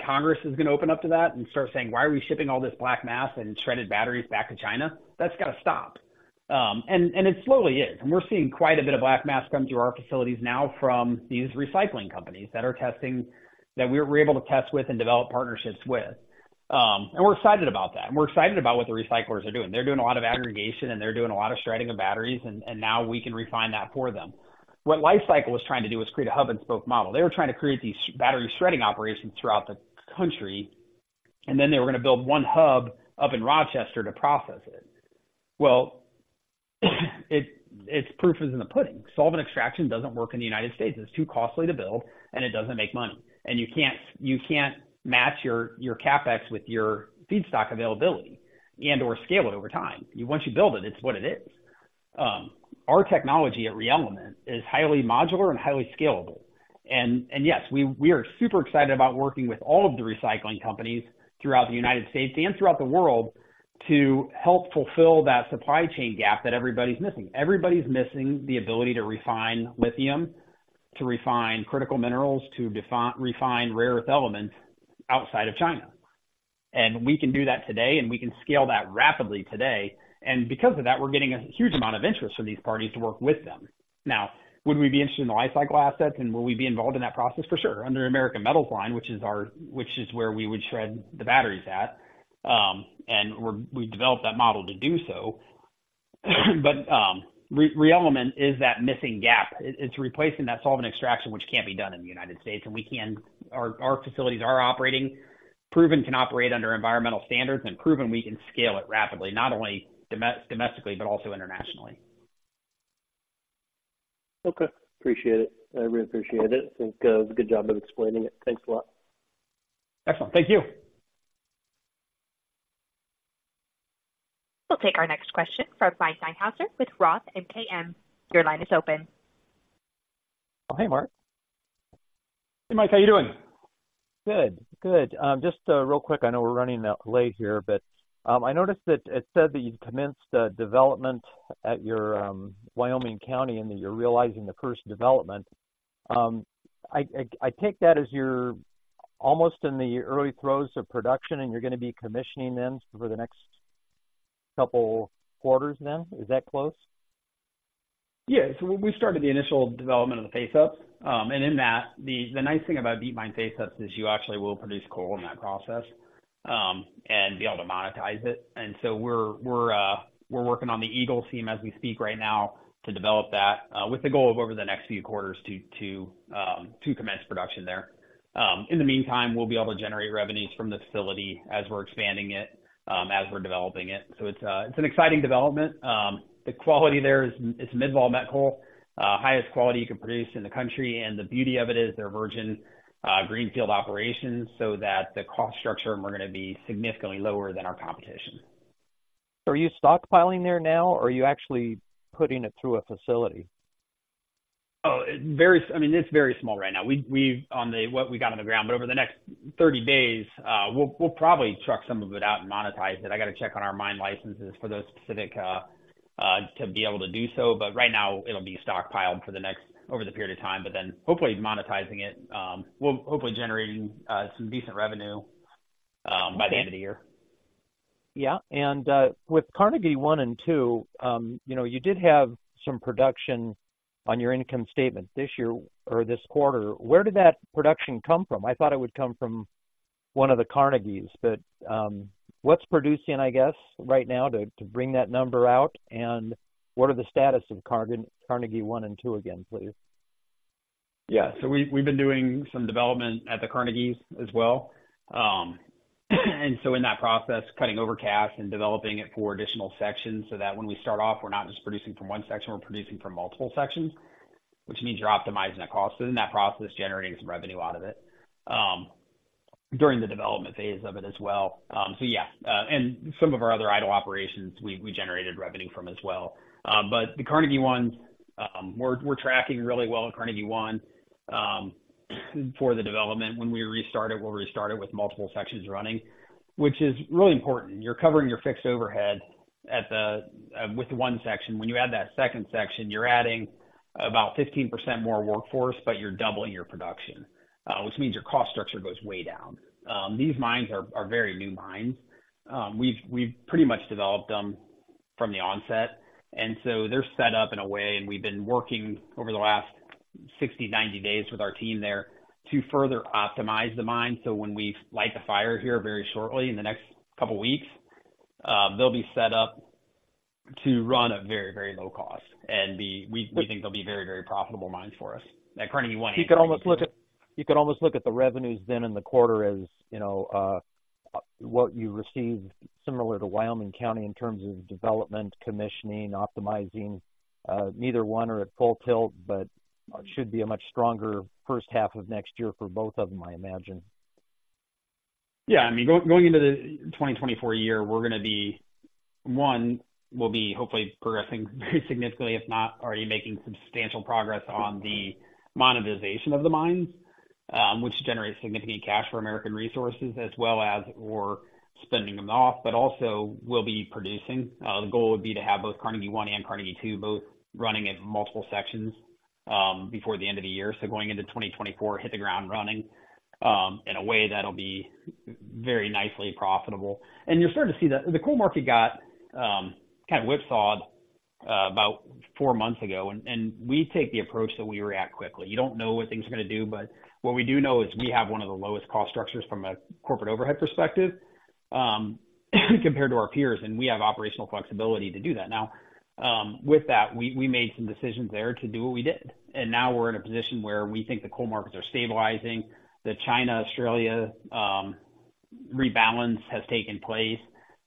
Congress is going to open up to that and start saying, "Why are we shipping all this black mass and shredded batteries back to China?" That's got to stop. And it slowly is. And we're seeing quite a bit of black mass come through our facilities now from these recycling companies that we were able to test with and develop partnerships with. And we're excited about that. We're excited about what the recyclers are doing. They're doing a lot of aggregation, and they're doing a lot of shredding of batteries. Now, we can refine that for them. What Li-Cycle was trying to do was create a hub and spoke model. They were trying to create these battery shredding operations throughout the country, and then they were going to build one hub up in Rochester to process it. Well, it's proof is in the pudding. Solvent extraction doesn't work in the United States. It's too costly to build, and it doesn't make money. You can't match your CapEx with your feedstock availability and/or scale it over time. Once you build it, it's what it is. Our technology at ReElement is highly modular and highly scalable. And yes, we are super excited about working with all of the recycling companies throughout the United States and throughout the world to help fulfill that supply chain gap that everybody's missing. Everybody's missing the ability to refine lithium, to refine critical minerals, to refine rare earth elements outside of China. And we can do that today, and we can scale that rapidly today. And because of that, we're getting a huge amount of interest from these parties to work with them. Now, would we be interested in the Li-Cycle assets, and will we be involved in that process? For sure, under American Metals line, which is where we would shred the batteries at, and we developed that model to do so. But ReElement is that missing gap. It's replacing that solvent extraction, which can't be done in the United States. Our facilities are operating, proven can operate under environmental standards, and proven we can scale it rapidly, not only domestically but also internationally. Okay. Appreciate it. I really appreciate it. I think it was a good job of explaining it. Thanks a lot. Excellent. Thank you. We'll take our next question from Mike Niehuser with ROTH MKM. Your line is open. Oh, hey, Mark. Hey, Mike. How are you doing? Good. Good. Just real quick, I know we're running late here, but I noticed that it said that you'd commenced development at your Wyoming County and that you're realizing the first development. I take that as you're almost in the early throes of production, and you're going to be commissioning then for the next couple quarters then? Is that close? Yeah. So we started the initial development of the face-ups. And in that, the nice thing about Deane Mine face-ups is you actually will produce coal in that process and be able to monetize it. And so we're working on the Eagle seam as we speak right now to develop that with the goal of, over the next few quarters, to commence production there. In the meantime, we'll be able to generate revenues from the facility as we're expanding it, as we're developing it. So it's an exciting development. The quality there is Mid-vol met coal, highest quality you can produce in the country. And the beauty of it is they're virgin greenfield operations so that the cost structure we're going to be significantly lower than our competition. Are you stockpiling there now, or are you actually putting it through a facility? Oh, I mean, it's very small right now. On what we got on the ground, but over the next 30 days, we'll probably truck some of it out and monetize it. I got to check on our mine licenses for those specific to be able to do so. But right now, it'll be stockpiled over the period of time, but then hopefully monetizing it, hopefully generating some decent revenue by the end of the year. Yeah. And with Carnegie 1 and 2, you did have some production on your income statement this year or this quarter. Where did that production come from? I thought it would come from one of the Carnegies, but what's producing, I guess, right now to bring that number out? And what are the status of Carnegie 1 and II again, please? Yeah. So we've been doing some development at the Carnegies as well. And so in that process, cutting overcast and developing it for additional sections so that when we start off, we're not just producing from one section. We're producing from multiple sections, which means you're optimizing that cost and, in that process, generating some revenue out of it during the development phase of it as well. So yeah. And some of our other idle operations, we generated revenue from as well. But the Carnegie ones, we're tracking really well at Carnegie 1 for the development. When we restart it, we'll restart it with multiple sections running, which is really important. You're covering your fixed overhead with one section. When you add that second section, you're adding about 15% more workforce, but you're doubling your production, which means your cost structure goes way down. These mines are very new mines. We've pretty much developed them from the onset. And so they're set up in a way, and we've been working over the last 60-90 days with our team there to further optimize the mine. So when we light the fire here very shortly, in the next couple of weeks, they'll be set up to run at very, very low cost. And we think they'll be very, very profitable mines for us at Carnegie 1. You could almost look at the revenues then in the quarter as what you received, similar to Wyoming County in terms of development, commissioning, optimizing, neither one or at full tilt, but should be a much stronger first half of next year for both of them, I imagine. Yeah. I mean, going into the 2024 year, we're going to be one, we'll be hopefully progressing very significantly, if not already making substantial progress on the monetization of the mines, which generates significant cash for American Resources as well as we're spinning them off, but also we'll be producing. The goal would be to have both Carnegie 1 and Carnegie 2 both running at multiple sections before the end of the year. So going into 2024, hit the ground running in a way that'll be very nicely profitable. And you're starting to see that the coal market got kind of whipsawed about four months ago. And we take the approach that we react quickly. You don't know what things are going to do, but what we do know is we have one of the lowest cost structures from a corporate overhead perspective compared to our peers, and we have operational flexibility to do that. Now, with that, we made some decisions there to do what we did. And now, we're in a position where we think the coal markets are stabilizing. The China-Australia rebalance has taken place.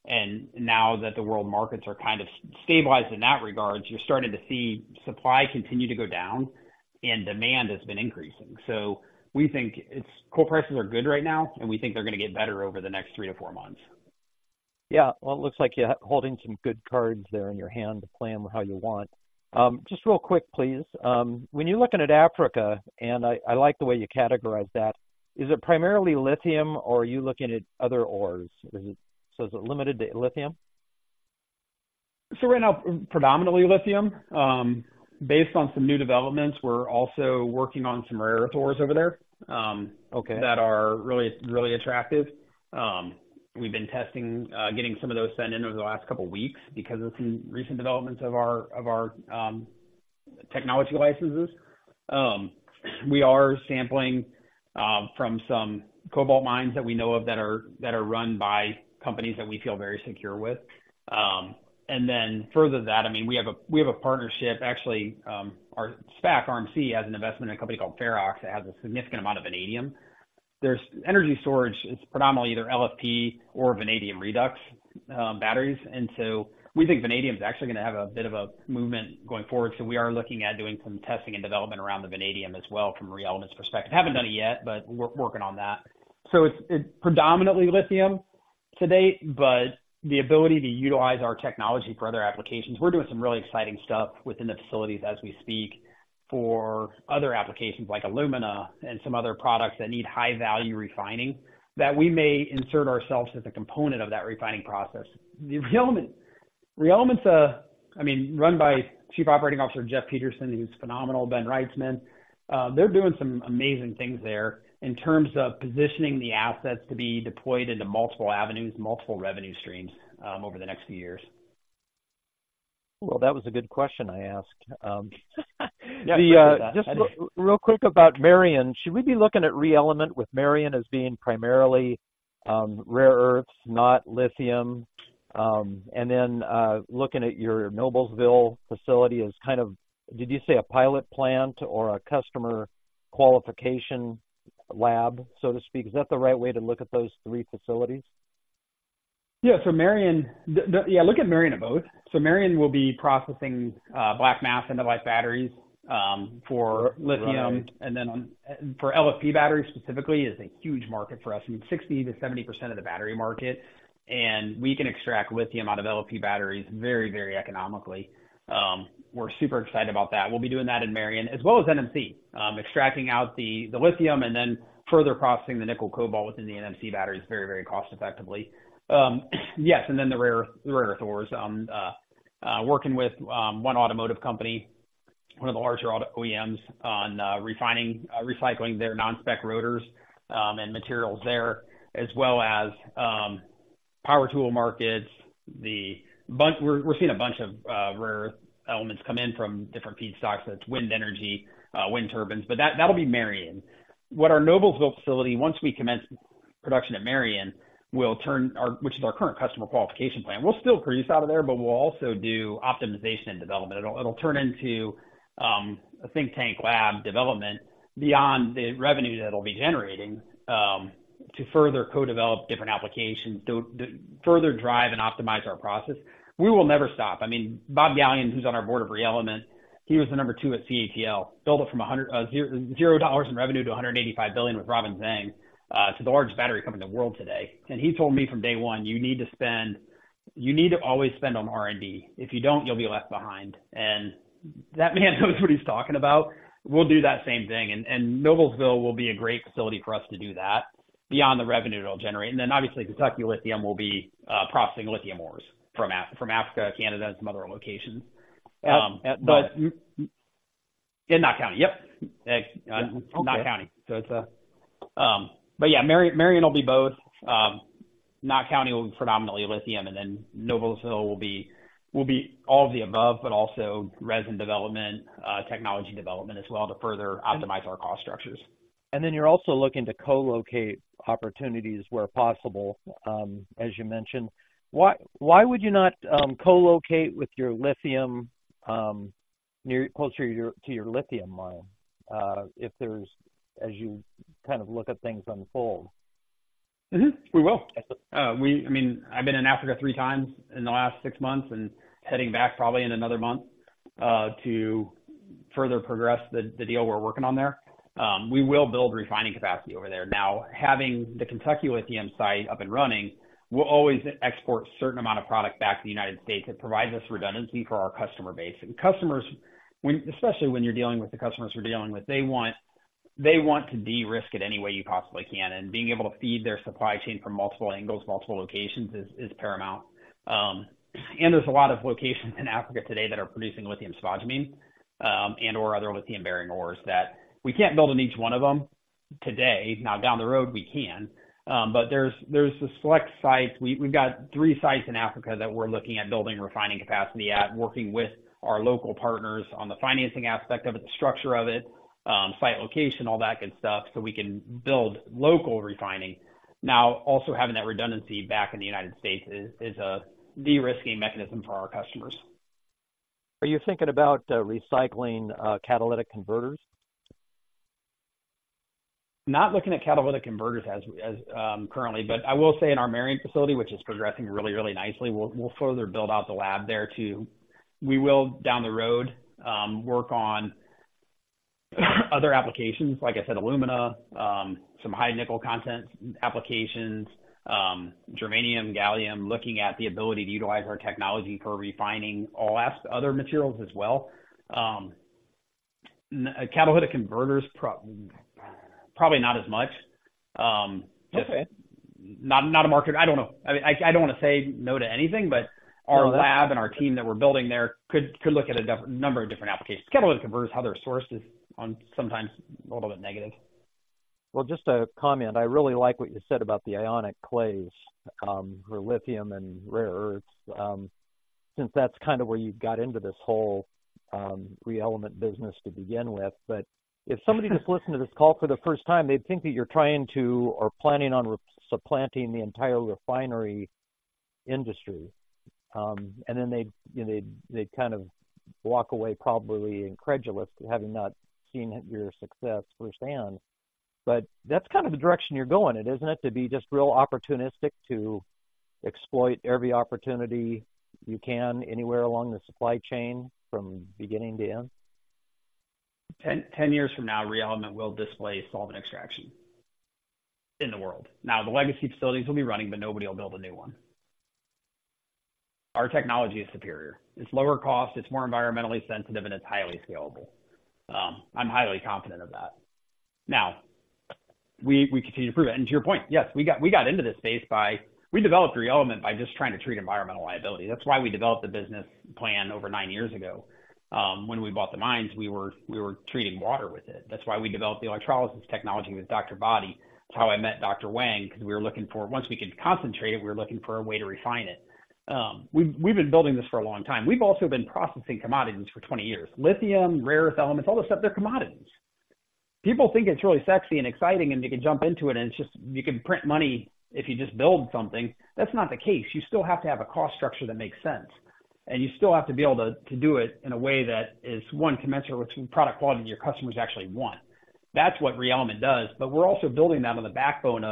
And now that the world markets are kind of stabilized in that regard, you're starting to see supply continue to go down, and demand has been increasing. So we think coal prices are good right now, and we think they're going to get better over the next 3-4 months. Yeah. Well, it looks like you're holding some good cards there in your hand to plan how you want. Just real quick, please. When you're looking at Africa, and I like the way you categorize that, is it primarily lithium, or are you looking at other ores? So is it limited to lithium? So right now, predominantly lithium. Based on some new developments, we're also working on some rare earth ores over there that are really, really attractive. We've been getting some of those sent in over the last couple of weeks because of some recent developments of our technology licenses. We are sampling from some cobalt mines that we know of that are run by companies that we feel very secure with. And then further than that, I mean, we have a partnership. Actually, our SPAC, RMC, has an investment in a company called Ferrox that has a significant amount of vanadium. Energy storage is predominantly either LFP or vanadium redox batteries. And so we think vanadium is actually going to have a bit of a movement going forward. So we are looking at doing some testing and development around the vanadium as well from ReElement's perspective. Haven't done it yet, but we're working on that. So it's predominantly lithium to date, but the ability to utilize our technology for other applications we're doing some really exciting stuff within the facilities as we speak for other applications like alumina and some other products that need high-value refining that we may insert ourselves as a component of that refining process. ReElement's, run by Chief Operating Officer Jeff Peterson, who's phenomenal, Ben Wrightsman. They're doing some amazing things there in terms of positioning the assets to be deployed into multiple avenues, multiple revenue streams over the next few years. Well, that was a good question I asked. Just real quick about Marion, should we be looking at ReElement with Marion as being primarily rare earths, not lithium, and then looking at your Noblesville facility as kind of did you say a pilot plant or a customer qualification lab, so to speak? Is that the right way to look at those three facilities? Yeah. Yeah, look at Marion of both. So Marion will be processing black mass and the lithium batteries for lithium. And then for LFP batteries specifically, it's a huge market for us. I mean, 60%-70% of the battery market. And we can extract lithium out of LFP batteries very, very economically. We're super excited about that. We'll be doing that in Marion as well as NMC, extracting out the lithium and then further processing the nickel cobalt within the NMC batteries very, very cost-effectively. Yes. And then the rare earth ores, working with one automotive company, one of the larger OEMs on recycling their non-spec rotors and materials there, as well as power tool markets. We're seeing a bunch of rare earth elements come in from different feedstocks. That's wind energy, wind turbines. But that'll be Marion. What our Noblesville facility, once we commence production at Marion, will turn, which is our current customer qualification plan, we'll still produce out of there, but we'll also do optimization and development. It'll turn into a think tank lab development beyond the revenue that it'll be generating to further co-develop different applications, further drive and optimize our process. We will never stop. I mean, Bob Galyen, who's on our board of ReElement, he was the number two at CATL, built it from $0 in revenue to $185 billion with Robin Zeng to the largest battery company in the world today. And he told me from day one, "You need to spend you need to always spend on R&D. If you don't, you'll be left behind." And that man knows what he's talking about. We'll do that same thing. Noblesville will be a great facility for us to do that beyond the revenue it'll generate. And then, obviously, Kentucky Lithium will be processing lithium ores from Africa, Canada, and some other locations. But in Knott County. Yep. Knott County. But yeah, Marion will be both. Knott County will be predominantly lithium. And then Noblesville will be all of the above, but also resin development, technology development as well to further optimize our cost structures. And then you're also looking to co-locate opportunities where possible, as you mentioned. Why would you not co-locate with your lithium closer to your lithium mine if there's, as you kind of look at things unfold? We will. I mean, I've been in Africa 3x in the last 6 months and heading back probably in another month to further progress the deal we're working on there. We will build refining capacity over there. Now, having the Kentucky Lithium site up and running will always export a certain amount of product back to the United States. It provides us with redundancy for our customer base. And customers, especially when you're dealing with the customers we're dealing with, they want to de-risk it any way you possibly can. And being able to feed their supply chain from multiple angles, multiple locations is paramount. And there's a lot of locations in Africa today that are producing lithium spodumene and/or other lithium-bearing ores that we can't build in each one of them today. Now, down the road, we can. But there's a select site. We've got three sites in Africa that we're looking at building refining capacity at, working with our local partners on the financing aspect of it, the structure of it, site location, all that good stuff so we can build local refining. Now, also having that redundancy back in the United States is a de-risking mechanism for our customers. Are you thinking about recycling catalytic converters? Not looking at catalytic converters currently. But I will say in our Marion facility, which is progressing really, really nicely, we'll further build out the lab there too. We will, down the road, work on other applications, like I said, alumina, some high-nickel content applications, germanium, gallium, looking at the ability to utilize our technology for refining all other materials as well. Catalytic converters, probably not as much. Not a market. I don't know. I mean, I don't want to say no to anything, but our lab and our team that we're building there could look at a number of different applications. Catalytic converters, how they're sourced, is sometimes a little bit negative. Well, just a comment. I really like what you said about the ionic clays for lithium and rare earths since that's kind of where you got into this whole ReElement business to begin with. But if somebody just listened to this call for the first time, they'd think that you're trying to or planning on supplanting the entire refinery industry. And then they'd kind of walk away probably incredulous having not seen your success firsthand. But that's kind of the direction you're going in, isn't it, to be just real opportunistic to exploit every opportunity you can anywhere along the supply chain from beginning to end? 10 years from now, ReElement will displace solvent extraction in the world. Now, the legacy facilities will be running, but nobody will build a new one. Our technology is superior. It's lower cost. It's more environmentally sensitive, and it's highly scalable. I'm highly confident of that. Now, we continue to prove it. And to your point, yes, we got into this space by we developed ReElement by just trying to treat environmental liability. That's why we developed the business plan over 9 years ago. When we bought the mines, we were treating water with it. That's why we developed the electrolysis technology with Dr. Botte. That's how I met Dr. Wang, because we were looking for once we could concentrate it, we were looking for a way to refine it. We've been building this for a long time. We've also been processing commodities for 20 years. Lithium, rare earth elements, all this stuff, they're commodities. People think it's really sexy and exciting, and you can jump into it, and you can print money if you just build something. That's not the case. You still have to have a cost structure that makes sense. And you still have to be able to do it in a way that is, one, commensurate with the product quality that your customers actually want. That's what ReElement does. But we're also building that on the backbone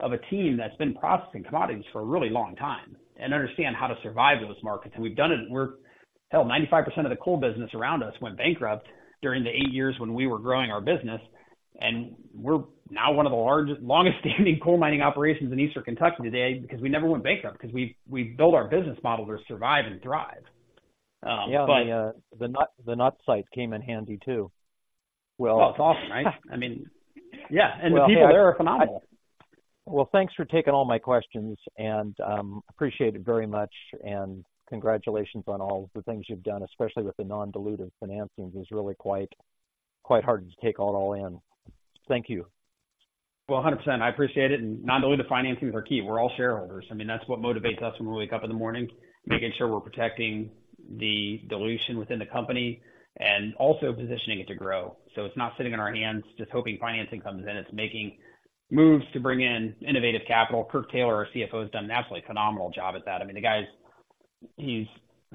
of a team that's been processing commodities for a really long time and understand how to survive those markets. And we've done it. Hell, 95% of the coal business around us went bankrupt during the eight years when we were growing our business. We're now one of the longest-standing coal mining operations in Eastern Kentucky today because we never went bankrupt, because we've built our business model to survive and thrive. Yeah. The Knott site came in handy too. Well, it's awesome, right? I mean, yeah. And the people there are phenomenal. Well, thanks for taking all my questions. I appreciate it very much. Congratulations on all the things you've done, especially with the non-dilutive financing. It's really quite hard to take all in. Thank you. Well, 100%. I appreciate it. Non-dilutive financings are key. We're all shareholders. I mean, that's what motivates us when we wake up in the morning, making sure we're protecting the dilution within the company and also positioning it to grow. It's not sitting in our hands just hoping financing comes in. It's making moves to bring in innovative capital. Kirk Taylor, our CFO, has done an absolutely phenomenal job at that. I mean, he's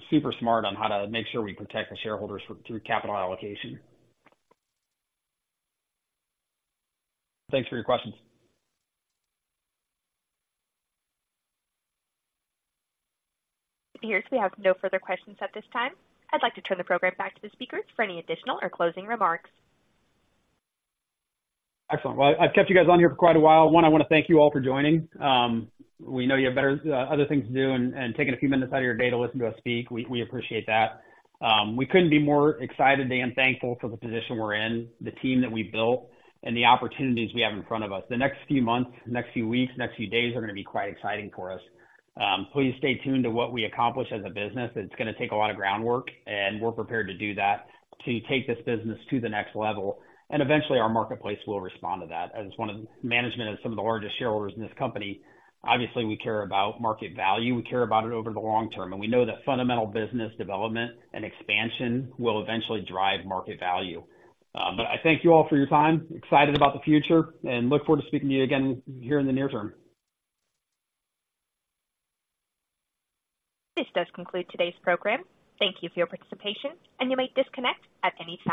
super smart on how to make sure we protect the shareholders through capital allocation. Thanks for your questions. It appears we have no further questions at this time. I'd like to turn the program back to the speakers for any additional or closing remarks. Excellent. Well, I've kept you guys on here for quite a while. One, I want to thank you all for joining. We know you have other things to do and taking a few minutes out of your day to listen to us speak. We appreciate that. We couldn't be more excited and thankful for the position we're in, the team that we've built, and the opportunities we have in front of us. The next few months, next few weeks, next few days are going to be quite exciting for us. Please stay tuned to what we accomplish as a business. It's going to take a lot of groundwork, and we're prepared to do that to take this business to the next level. Eventually, our marketplace will respond to that. As management of some of the largest shareholders in this company, obviously, we care about market value. We care about it over the long term. We know that fundamental business development and expansion will eventually drive market value. I thank you all for your time, excited about the future, and look forward to speaking to you again here in the near term. This does conclude today's program. Thank you for your participation, and you may disconnect at any time.